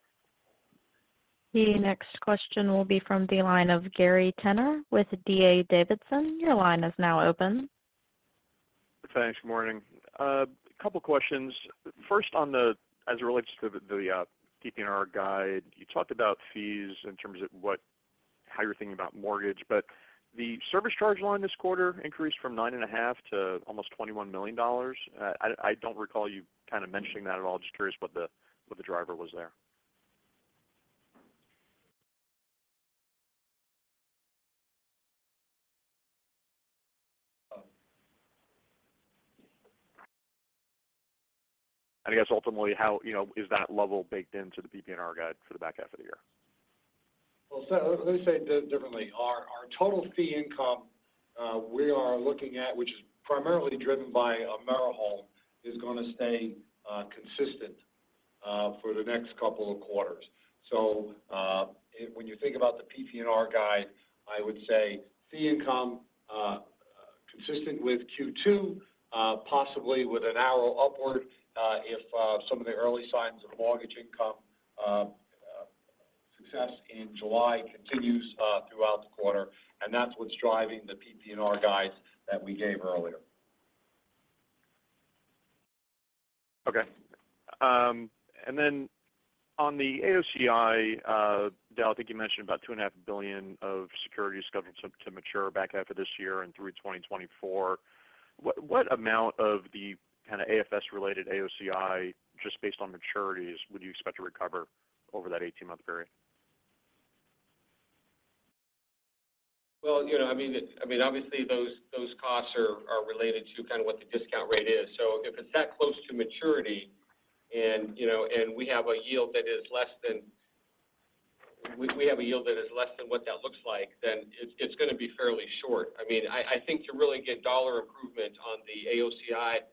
The next question will be from the line of Gary Tenner with D.A. Davidson. Your line is now open. Thanks. Morning. A couple questions. As it relates to the PPNR guide, you talked about fees in terms of how you're thinking about mortgage. The service charge line this quarter increased from nine and a half to almost $21 million. I don't recall you kind of mentioning that at all. Just curious what the, what the driver was there. Um- I guess ultimately, how, you know, is that level baked into the PPNR guide for the back half of the year? Let me say it differently. Our total fee income, we are looking at, which is primarily driven by AmeriHome, is going to stay consistent for the next couple of quarters. When you think about the PPNR guide, I would say fee income consistent with Q2, possibly with an arrow upward, if some of the early signs of mortgage income.... success in July continues throughout the quarter, and that's what's driving the PPNR guides that we gave earlier. Okay. On the AOCI, Dale, I think you mentioned about $2.5 billion of securities scheduled to mature back after this year and through 2024. What amount of the kind of AFS-related AOCI, just based on maturities, would you expect to recover over that 18-month period? Well, you know, I mean, obviously, those costs are related to kind of what the discount rate is. If it's that close to maturity and, you know, we have a yield that is less than what that looks like, then it's gonna be fairly short. I mean, I think to really get dollar improvement on the AOCI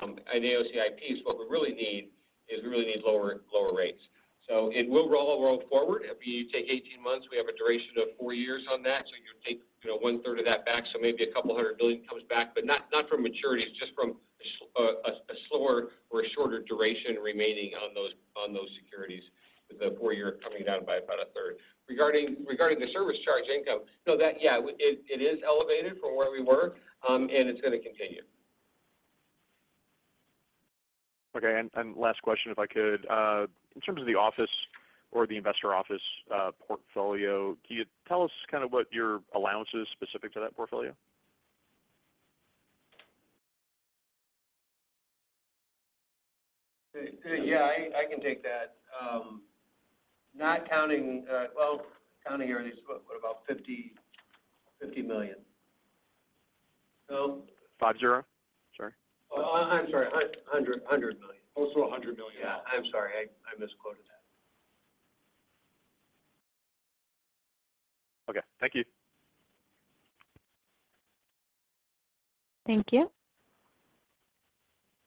and AOCI piece, what we really need is we really need lower rates. It will roll forward. If you take 18 months, we have a duration of four years on that, you take, you know, one-third of that back, maybe $200 billion comes back. Not from maturities, just from a slower or a shorter duration remaining on those securities, the four-year coming down by about a third. Regarding the service charge income, that, yeah, it is elevated from where we were, it's going to continue. Okay, last question, if I could. In terms of the office or the investor office, portfolio, can you tell us kind of what your allowance is specific to that portfolio? Yeah, I can take that. Not counting, well, counting earlier, what about $50 million? 50? Sorry. I'm sorry, $100 million. Close to $100 million. Yeah. I'm sorry, I misquoted that. Okay. Thank you. Thank you.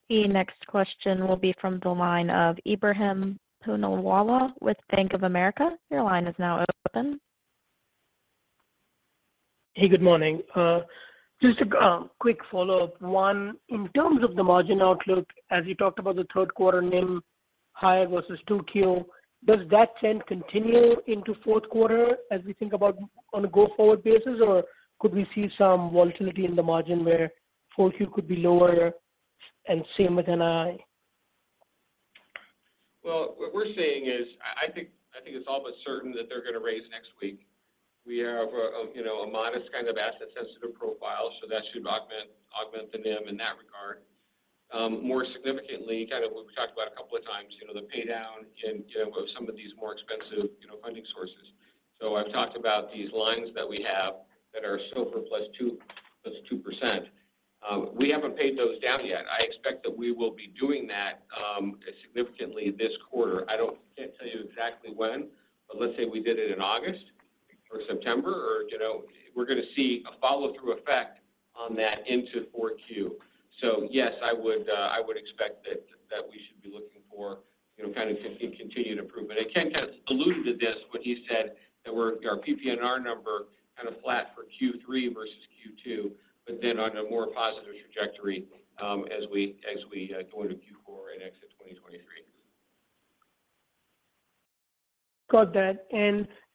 The next question will be from the line of Ebrahim Poonawala with Bank of America. Your line is now open. Hey, good morning. Just a quick follow-up. One, in terms of the margin outlook, as you talked about the third quarter NIM higher versus 2Q, does that trend continue into fourth quarter as we think about on a go-forward basis, or could we see some volatility in the margin where 4Q could be lower and same with NI? What we're seeing is I think it's all but certain that they're going to raise next week. We have a, you know, a modest kind of asset-sensitive profile, so that should augment the NIM in that regard. More significantly, kind of we've talked about a couple of times, you know, the paydown and, you know, some of these more expensive, you know, funding sources. I've talked about these lines that we have that are SOFR +2%. We haven't paid those down yet. I expect that we will be doing that significantly this quarter. I can't tell you exactly when, but let's say we did it in August or September, or, you know, we're going to see a follow-through effect on that into 4Q. Yes, I would expect that we should be looking for, you know, kind of continued improvement. Ken kind of alluded to this when he said that our PPNR number kind of flat for Q3 versus Q2. On a more positive trajectory as we go into Q4 and exit 2023. Got that.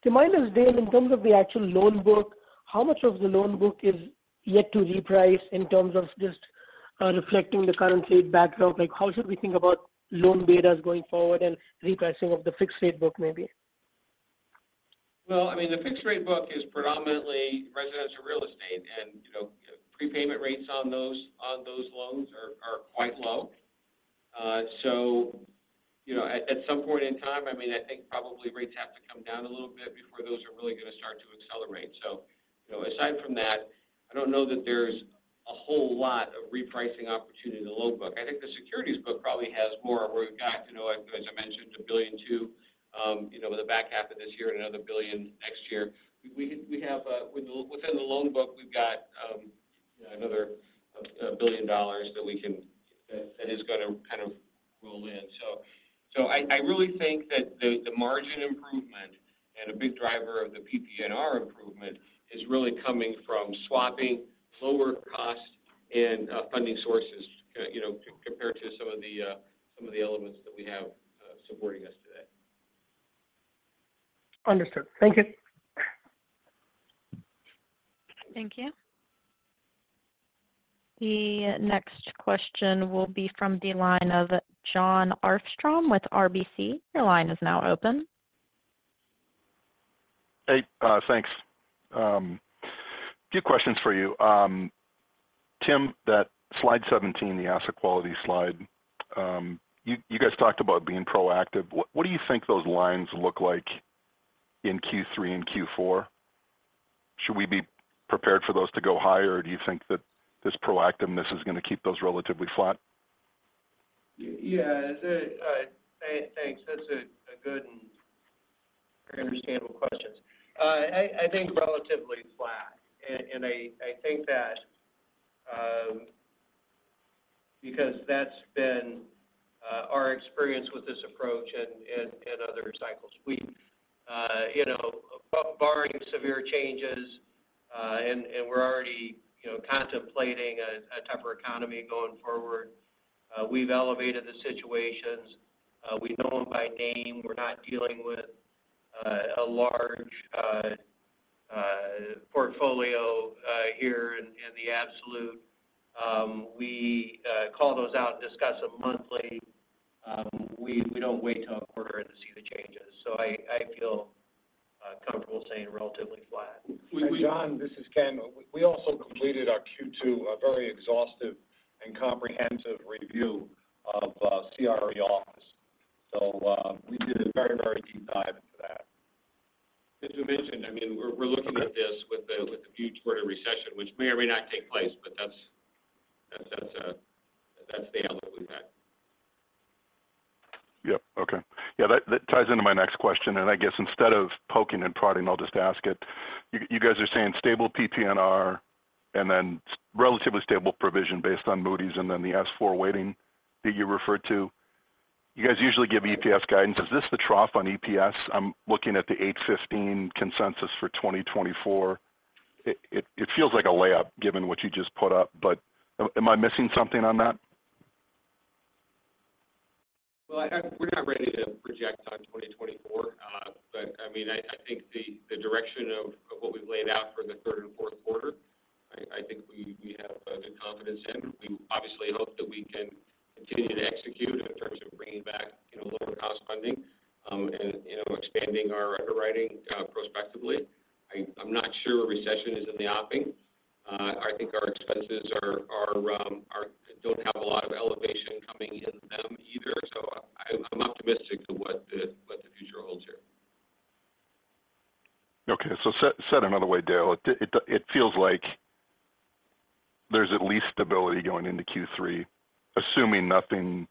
To my next, Dale, in terms of the actual loan book, how much of the loan book is yet to reprice in terms of just reflecting the current rate backdrop? Like, how should we think about loan betas going forward and repricing of the fixed rate book, maybe? Well, I mean, the fixed rate book is predominantly residential real estate, and, you know, prepayment rates on those loans are quite low. At some point in time, I mean, I think probably rates have to come down a little bit before those are really going to start to accelerate. You know, aside from that, I don't know that there's a whole lot of repricing opportunity in the loan book. I think the securities book probably has more where we've got, you know, as I mentioned, $1.2 billion with the back half of this year and another $1 billion next year. We have within the loan book, we've got, you know, another $1 billion that is going to kind of roll in. I really think that the margin improvement and a big driver of the PPNR improvement is really coming from swapping lower costs and funding sources, you know, compared to some of the elements that we have supporting us today. Understood. Thank you. Thank you. The next question will be from the line of Jon Arfstrom with RBC. Your line is now open. Hey, thanks. A few questions for you. Tim, that slide 17, the asset quality slide, you guys talked about being proactive. What do you think those lines look like in Q3 and Q4? Should we be prepared for those to go higher, or do you think that this proactiveness is going to keep those relatively flat? Yeah, thanks. That's a good and very understandable questions. I think relatively flat, and I think that, because that's been our experience with this approach in other cycles, we, you know, barring severe changes, and we're already, you know, contemplating a tougher economy going forward. We've elevated the situations. We know them by name. We're not dealing with a large portfolio here in the absolute. We call those out and discuss them monthly. We don't wait till a quarter end to see the changes. I feel comfortable saying relatively flat. We- we- Jon, this is Ken. We also completed our Q2, a very exhaustive and comprehensive review of CRE office. We did a very deep dive into that. As we mentioned, I mean, we're looking at this with the view toward a recession, which may or may not take place, but that's the outlook we've had. Yep. Okay. Yeah, that ties into my next question, and I guess instead of poking and prodding, I'll just ask it. You guys are saying stable PPNR and then relatively stable provision based on Moody's and then the S4 weighting that you referred to. You guys usually give EPS guidance. Is this the trough on EPS? I'm looking at the $8.15 consensus for 2024. It feels like a layup, given what you just put up, but am I missing something on that? Well, we're not ready to project on 2024. I mean, I think the direction of what we've laid out for the third and fourth quarter, I think we have a good confidence in. We obviously hope that we can continue to execute in terms of bringing back, you know, lower cost funding, and, you know, expanding our underwriting prospectively. I'm not sure a recession is in the offing. I think our expenses are don't have a lot of elevation coming in them either, I'm optimistic to what the future holds here. Okay. said another way, Dale, it feels like there's at least stability going into Q3, assuming nothing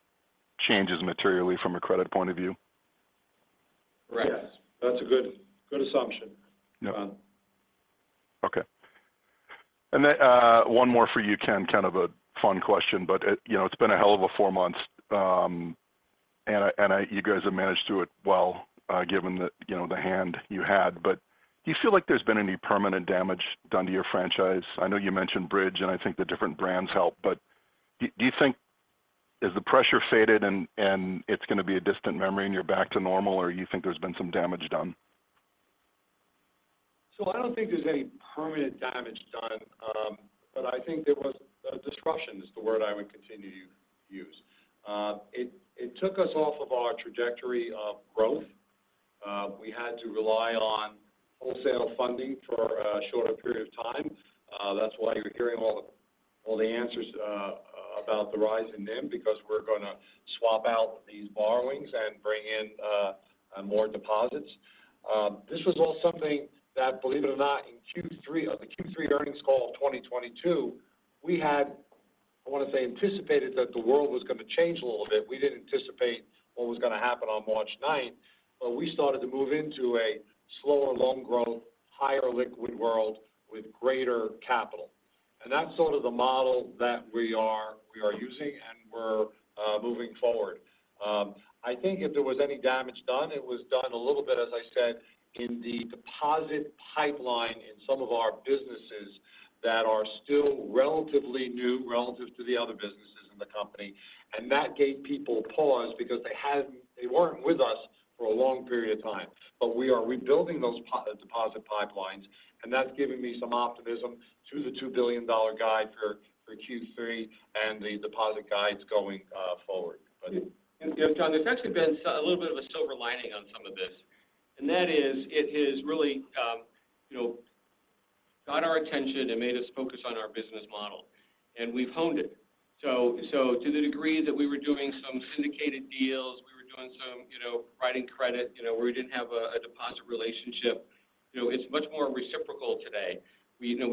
changes materially from a credit point of view? Right. Yes. That's a good assumption. Yep Jon. Okay. One more for you, Ken, kind of a fun question. You know, it's been a hell of a four months. You guys have managed through it well, given the, you know, the hand you had. Do you feel like there's been any permanent damage done to your franchise? I know you mentioned Bridge, and I think the different brands help, but do you think, has the pressure faded, and it's going to be a distant memory, and you're back to normal, or you think there's been some damage done? I don't think there's any permanent damage done, but I think there was a disruption, is the word I would continue to use. It took us off of our trajectory of growth. We had to rely on wholesale funding for a shorter period of time. That's why you're hearing all the answers about the rise in NIM, because we're going to swap out these borrowings and bring in more deposits. This was all something that, believe it or not, in Q3, on the Q3 earnings call of 2022, we had, I want to say, anticipated that the world was going to change a little bit. We didn't anticipate what was going to happen on March 9th, but we started to move into a slower loan growth, higher liquid world with greater capital. That's sort of the model that we are using, and we're moving forward. I think if there was any damage done, it was done a little bit, as I said, in the deposit pipeline in some of our businesses that are still relatively new relative to the other businesses in the company. That gave people pause because they weren't with us for a long period of time. We are rebuilding those deposit pipelines, and that's giving me some optimism through the $2 billion guide for Q3 and the deposit guides going forward. Jon, there's actually been a little bit of a silver lining on some of this, and that is, it has really, you know, got our attention and made us focus on our business model, and we've honed it. To the degree that we were doing some syndicated deals, we were doing some, you know, writing credit, you know, where we didn't have a deposit relationship, you know, it's much more reciprocal today. We, you know,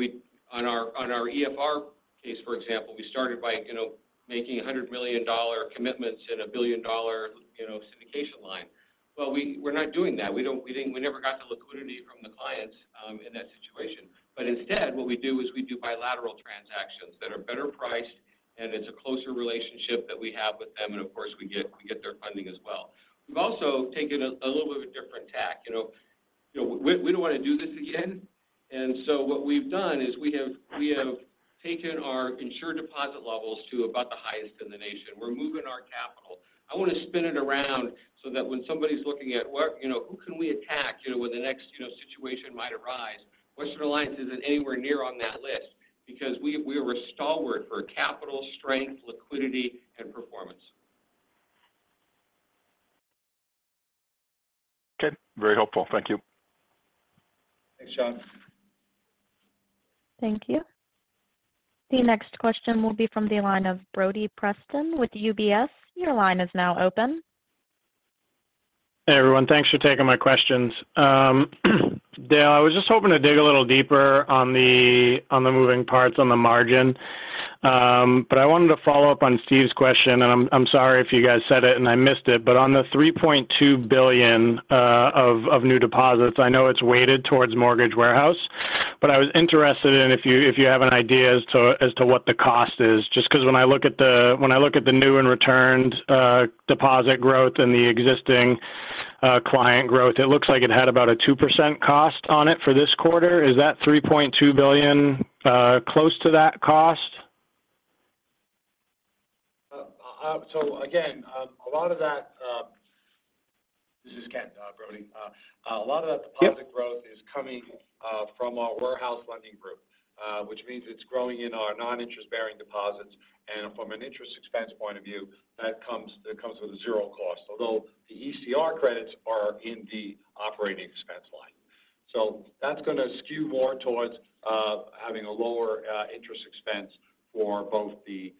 on our, on our EFR case, for example, we started by, you know, making $100 million commitments in a $1 billion, you know, syndication line. Well, we're not doing that. We never got the liquidity from the clients in that situation. Instead, what we do is we do bilateral transactions that are better priced, and it's a closer relationship that we have with them, and of course, we get their funding as well. We've also taken a little bit of a different tack, you know. You know, we don't want to do this again. What we've done is we have taken our insured deposit levels to about the highest in the nation. We're moving our capital. I want to spin it around so that when somebody's looking at, you know, "Who can we attack?" You know, when the next, you know, situation might arise, Western Alliance isn't anywhere near on that list because we're a stalwart for capital, strength, liquidity, and performance. Okay. Very helpful. Thank you. Thanks, Jon. Thank you. The next question will be from the line of Brody Preston with UBS. Your line is now open. Hey, everyone. Thanks for taking my questions. Dale, I was just hoping to dig a little deeper on the moving parts on the margin. I wanted to follow up on Steve's question, and I'm sorry if you guys said it, and I missed it. On the $3.2 billion of new deposits, I know it's weighted towards Mortgage Warehouse, but I was interested in if you have an idea as to what the cost is. Just 'cause when I look at the new and returned deposit growth and the existing client growth, it looks like it had about a 2% cost on it for this quarter. Is that $3.2 billion close to that cost? Again, a lot of that. This is Ken, Brody. Yep deposit growth is coming from our warehouse lending group, which means it's growing in our non-interest-bearing deposits. From an interest expense point of view, that comes with a zero cost, although the ECR credits are in the operating expense line. That's gonna skew more towards having a lower interest expense for both the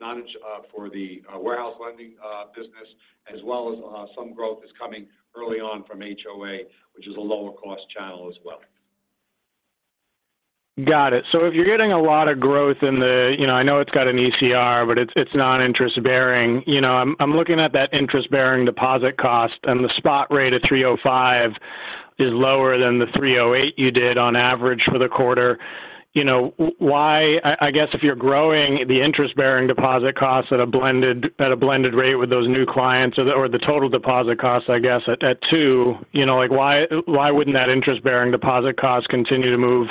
warehouse lending business, as well as some growth is coming early on from HOA, which is a lower-cost channel as well. Got it. If you're getting a lot of growth, you know, I know it's got an ECR, but it's non-interest-bearing. You know, I'm looking at that interest-bearing deposit cost, and the spot rate of 3.05% is lower than the 3.08% you did on average for the quarter. You know, why, I guess if you're growing the interest-bearing deposit costs at a blended rate with those new clients or the, or the total deposit costs, I guess, at 2%, you know, like why wouldn't that interest-bearing deposit cost continue to move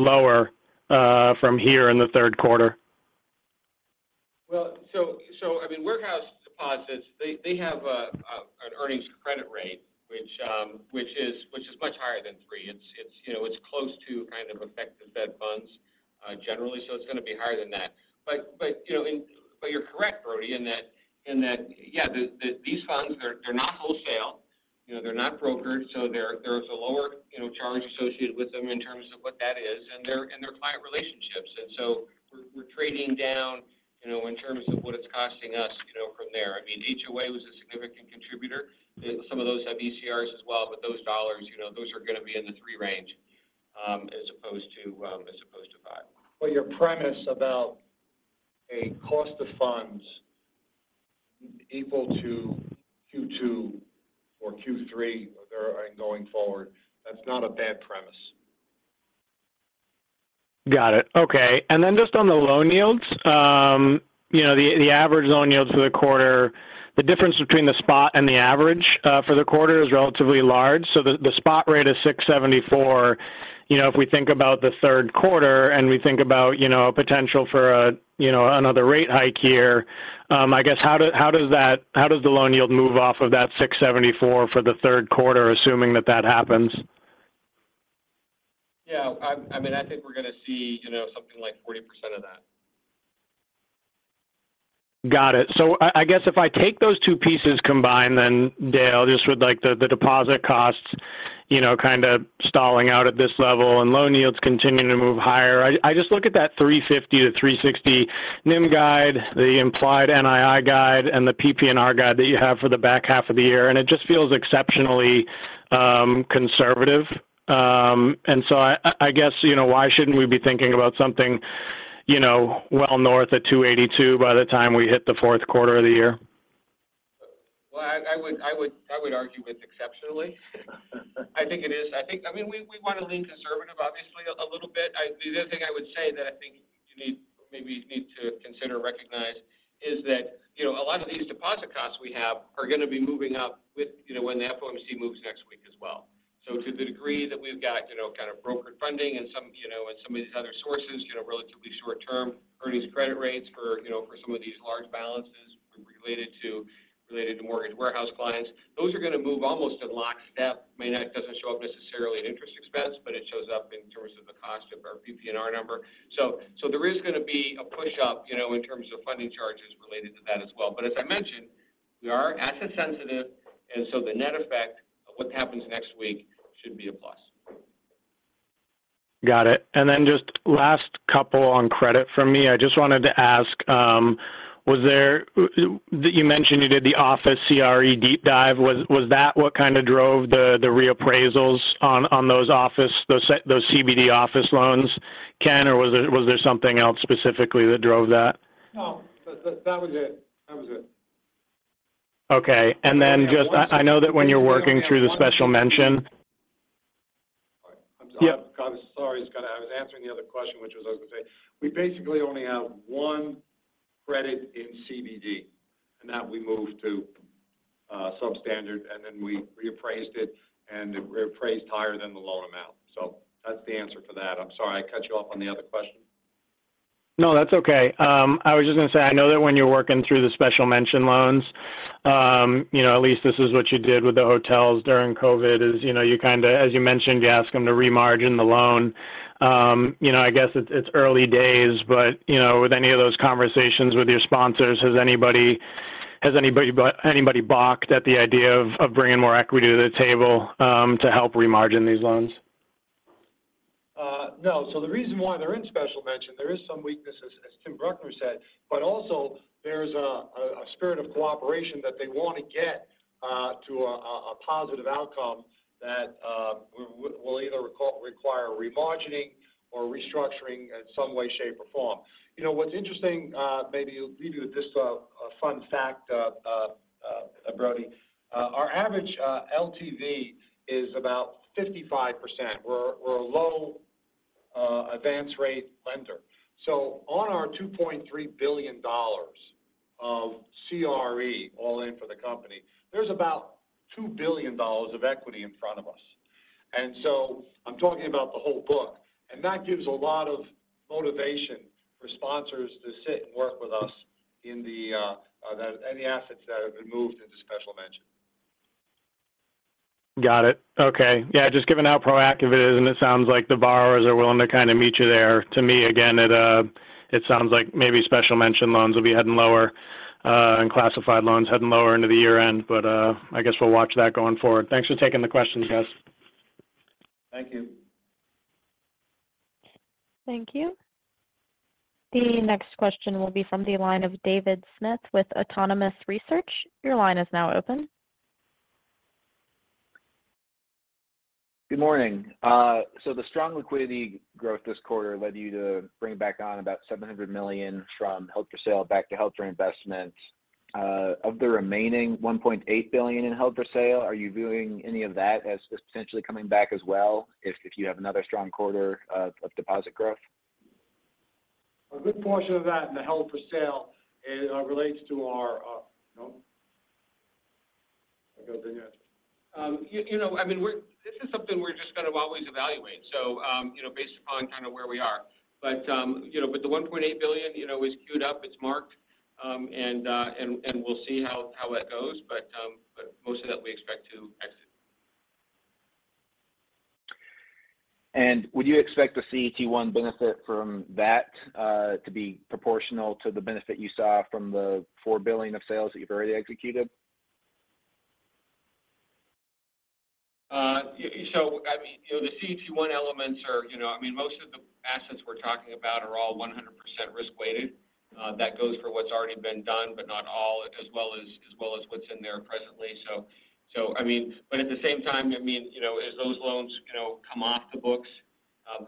lower from here in the third quarter? Well, I mean, warehouse deposits, they have an earnings credit rate, which is much higher than three. It's, you know, it's close to kind of effective fed funds, generally, so it's going to be higher than that. You know, and you're correct, Brody, in that, yeah, these funds, they're not wholesale. You know, they're not brokered, so there is a lower, you know, charge associated with them in terms of what that is, and they're in their client relationships. So we're trading down, you know, in terms of what it's costing us, you know, from there. I mean, HOA was a significant contributor. Some of those have ECRs as well, but those dollars, you know, those are going to be in the 3% range, as opposed to, as opposed to 5%. Your premise about a cost of funds equal to Q2 or Q3 there and going forward, that's not a bad premise. Got it. Okay. Just on the loan yields, you know, the average loan yields for the quarter, the difference between the spot and the average for the quarter is relatively large. The spot rate is 674. You know, if we think about the third quarter, and we think about, you know, a potential for a, you know, another rate hike here, I guess how does the loan yield move off of that 674 for the third quarter, assuming that that happens? I mean, I think we're going to see, you know, something like 40% of that. Got it. I guess if I take those two pieces combined, then, Dale, just with, like, the deposit costs, you know, kind of stalling out at this level and loan yields continuing to move higher, I just look at that 3.50-3.60 NIM guide, the implied NII guide, and the PPNR guide that you have for the back half of the year, and it just feels exceptionally conservative. I guess, you know, why shouldn't we be thinking about something, you know, well north of 2.82 by the time we hit the fourth quarter of the year? Well, I would argue with exceptionally. I think it is. I mean, we want to lean conservative, obviously, a little bit. The other thing I would say that I think you need, maybe you need to consider or recognize is that, you know, a lot of these deposit costs we have are going to be moving up with, you know, when the FOMC moves next week as well. To the degree that we've got, you know, kind of brokered funding and some, you know, and some of these other sources, you know, relatively short term, earnings credit rates for, you know, for some of these large balances related to mortgage warehouse clients, those are going to move almost in lockstep. I mean, that doesn't show up necessarily in interest expense, but it shows up in terms of the cost of our PPNR number. There is going to be a push up, you know, in terms of funding charges related to that as well. As I mentioned, we are asset sensitive, and so the net effect of what happens next week should be a plus. Got it. Just last couple on credit from me. I just wanted to ask, you mentioned you did the office CRE deep dive. Was that what kind of drove the reappraisals on those office, those CBD office loans, Ken? Was there something else specifically that drove that? No, that was it. That was it. Okay. I know that when you're working through the special mention. All right. I'm sorry. Yep. I'm sorry. I was answering the other question, which was, I was going to say. We basically only have one credit in CBD, and that we moved to substandard, and then we reappraised it, and it reappraised higher than the loan amount. That's the answer for that. I'm sorry, I cut you off on the other question? No, that's okay. I was just going to say, I know that when you're working through the special mention loans, you know, at least this is what you did with the hotels during COVID, is, you know, you kind of, as you mentioned, you ask them to remargin the loan. You know, I guess it's early days, but, you know, with any of those conversations with your sponsors, has anybody balked at the idea of bringing more equity to the table, to help remargin these loans? No. The reason why they're in special mention, there is some weakness, as Tim Bruckner said, but also there's a spirit of cooperation that they want to get to a positive outcome that will either require remargining or restructuring in some way, shape, or form. You know, what's interesting, maybe I'll leave you with this fun fact, Brodie. Our average LTV is about 55%. We're a low. advanced rate lender. On our $2.3 billion of CRE all in for the company, there's about $2 billion of equity in front of us. I'm talking about the whole book, and that gives a lot of motivation for sponsors to sit and work with us in the any assets that have been moved into special mention. Got it. Okay. Yeah, just given how proactive it is, and it sounds like the borrowers are willing to kind of meet you there. To me, again, it sounds like maybe special mention loans will be heading lower, and classified loans heading lower into the year-end. I guess we'll watch that going forward. Thanks for taking the questions, guys. Thank you. Thank you. The next question will be from the line of David Smith with Autonomous Research. Your line is now open. Good morning. The strong liquidity growth this quarter led you to bring back on about $700 million from held for sale back to held for investments. Of the remaining $1.8 billion in held for sale, are you viewing any of that as potentially coming back as well, if you have another strong quarter of deposit growth? A good portion of that in the held for sale, relates to our, you know, I mean, this is something we're just gonna always evaluate. You know, based upon kind of where we are. You know, with the $1.8 billion, you know, it's queued up, it's marked, and we'll see how that goes. Most of that we expect to exit. Would you expect the CET1 benefit from that to be proportional to the benefit you saw from the $4 billion of sales that you've already executed? I mean, you know, the CET-1 elements are, I mean, most of the assets we're talking about are all 100% risk-weighted. That goes for what's already been done, but not all, as well as what's in there presently. But at the same time, I mean, you know, as those loans, you know, come off the books,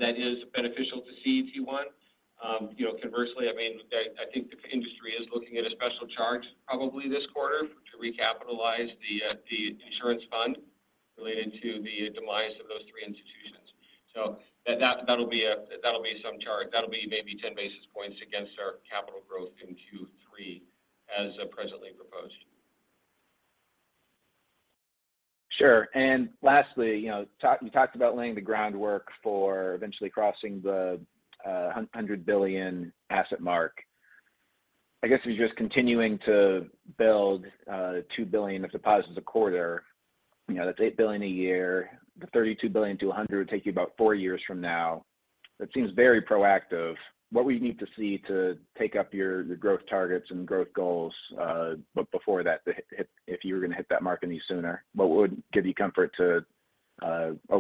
that is beneficial to CET-1. You know, conversely, I mean, I think the industry is looking at a special charge probably this quarter to recapitalize the insurance fund related to the demise of those three institutions. That'll be some charge. That'll be maybe 10 basis points against our capital growth in Q3 as presently proposed. Sure. Lastly, you know, you talked about laying the groundwork for eventually crossing the $100 billion asset mark. I guess, if you're just continuing to build $2 billion of deposits a quarter, you know, that's $8 billion a year. The $32 billion-$100 billion would take you about four years from now. That seems very proactive. What we need to see to take up your, the growth targets and growth goals, but before that, if you were going to hit that mark any sooner, what would give you comfort to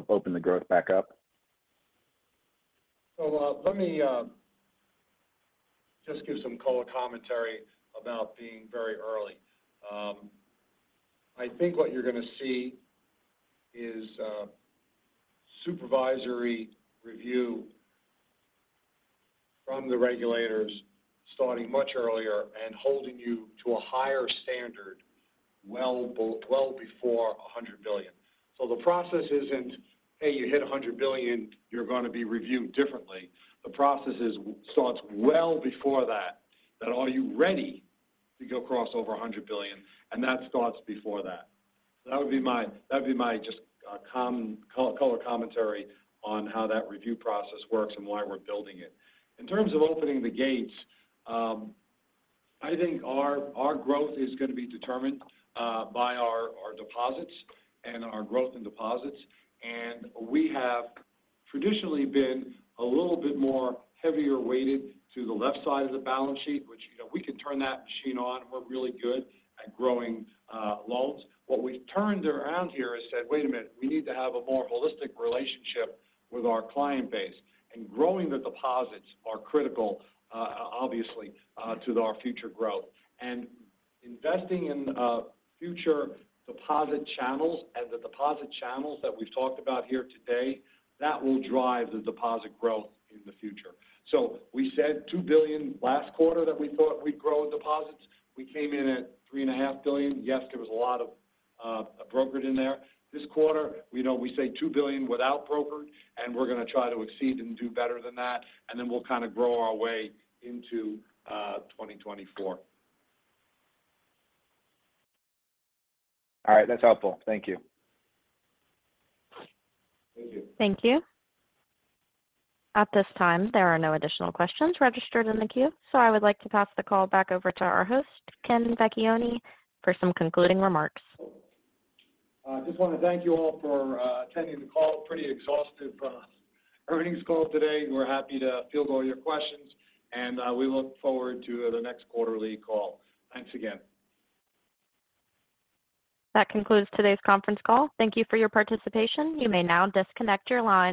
open the growth back up? Let me just give some color commentary about being very early. I think what you're going to see is supervisory review from the regulators starting much earlier and holding you to a higher standard well before $100 billion. The process isn't, "Hey, you hit $100 billion, you're going to be reviewed differently." The process is, starts well before that are you ready to go cross over $100 billion? That starts before that. That would be my, that would be my just color commentary on how that review process works and why we're building it. In terms of opening the gates, I think our growth is going to be determined by our deposits and our growth in deposits. We have traditionally been a little bit more heavier weighted to the left side of the balance sheet, which, you know, we can turn that machine on. We're really good at growing loans. What we've turned around here is said, "Wait a minute, we need to have a more holistic relationship with our client base." Growing the deposits are critical, obviously, to our future growth. Investing in future deposit channels and the deposit channels that we've talked about here today, that will drive the deposit growth in the future. We said $2 billion last quarter that we thought we'd grow deposits. We came in at $3.5 billion. Yes, there was a lot of brokered in there. This quarter, we know we say $2 billion without brokered, we're going to try to exceed and do better than that, then we'll kind of grow our way into 2024. All right. That's helpful. Thank you. Thank you. Thank you. At this time, there are no additional questions registered in the queue. I would like to pass the call back over to our host, Ken Vecchione, for some concluding remarks. I just want to thank you all for attending the call. Pretty exhaustive earnings call today. We're happy to field all your questions. We look forward to the next quarterly call. Thanks again. That concludes today's conference call. Thank you for your participation. You may now disconnect your line.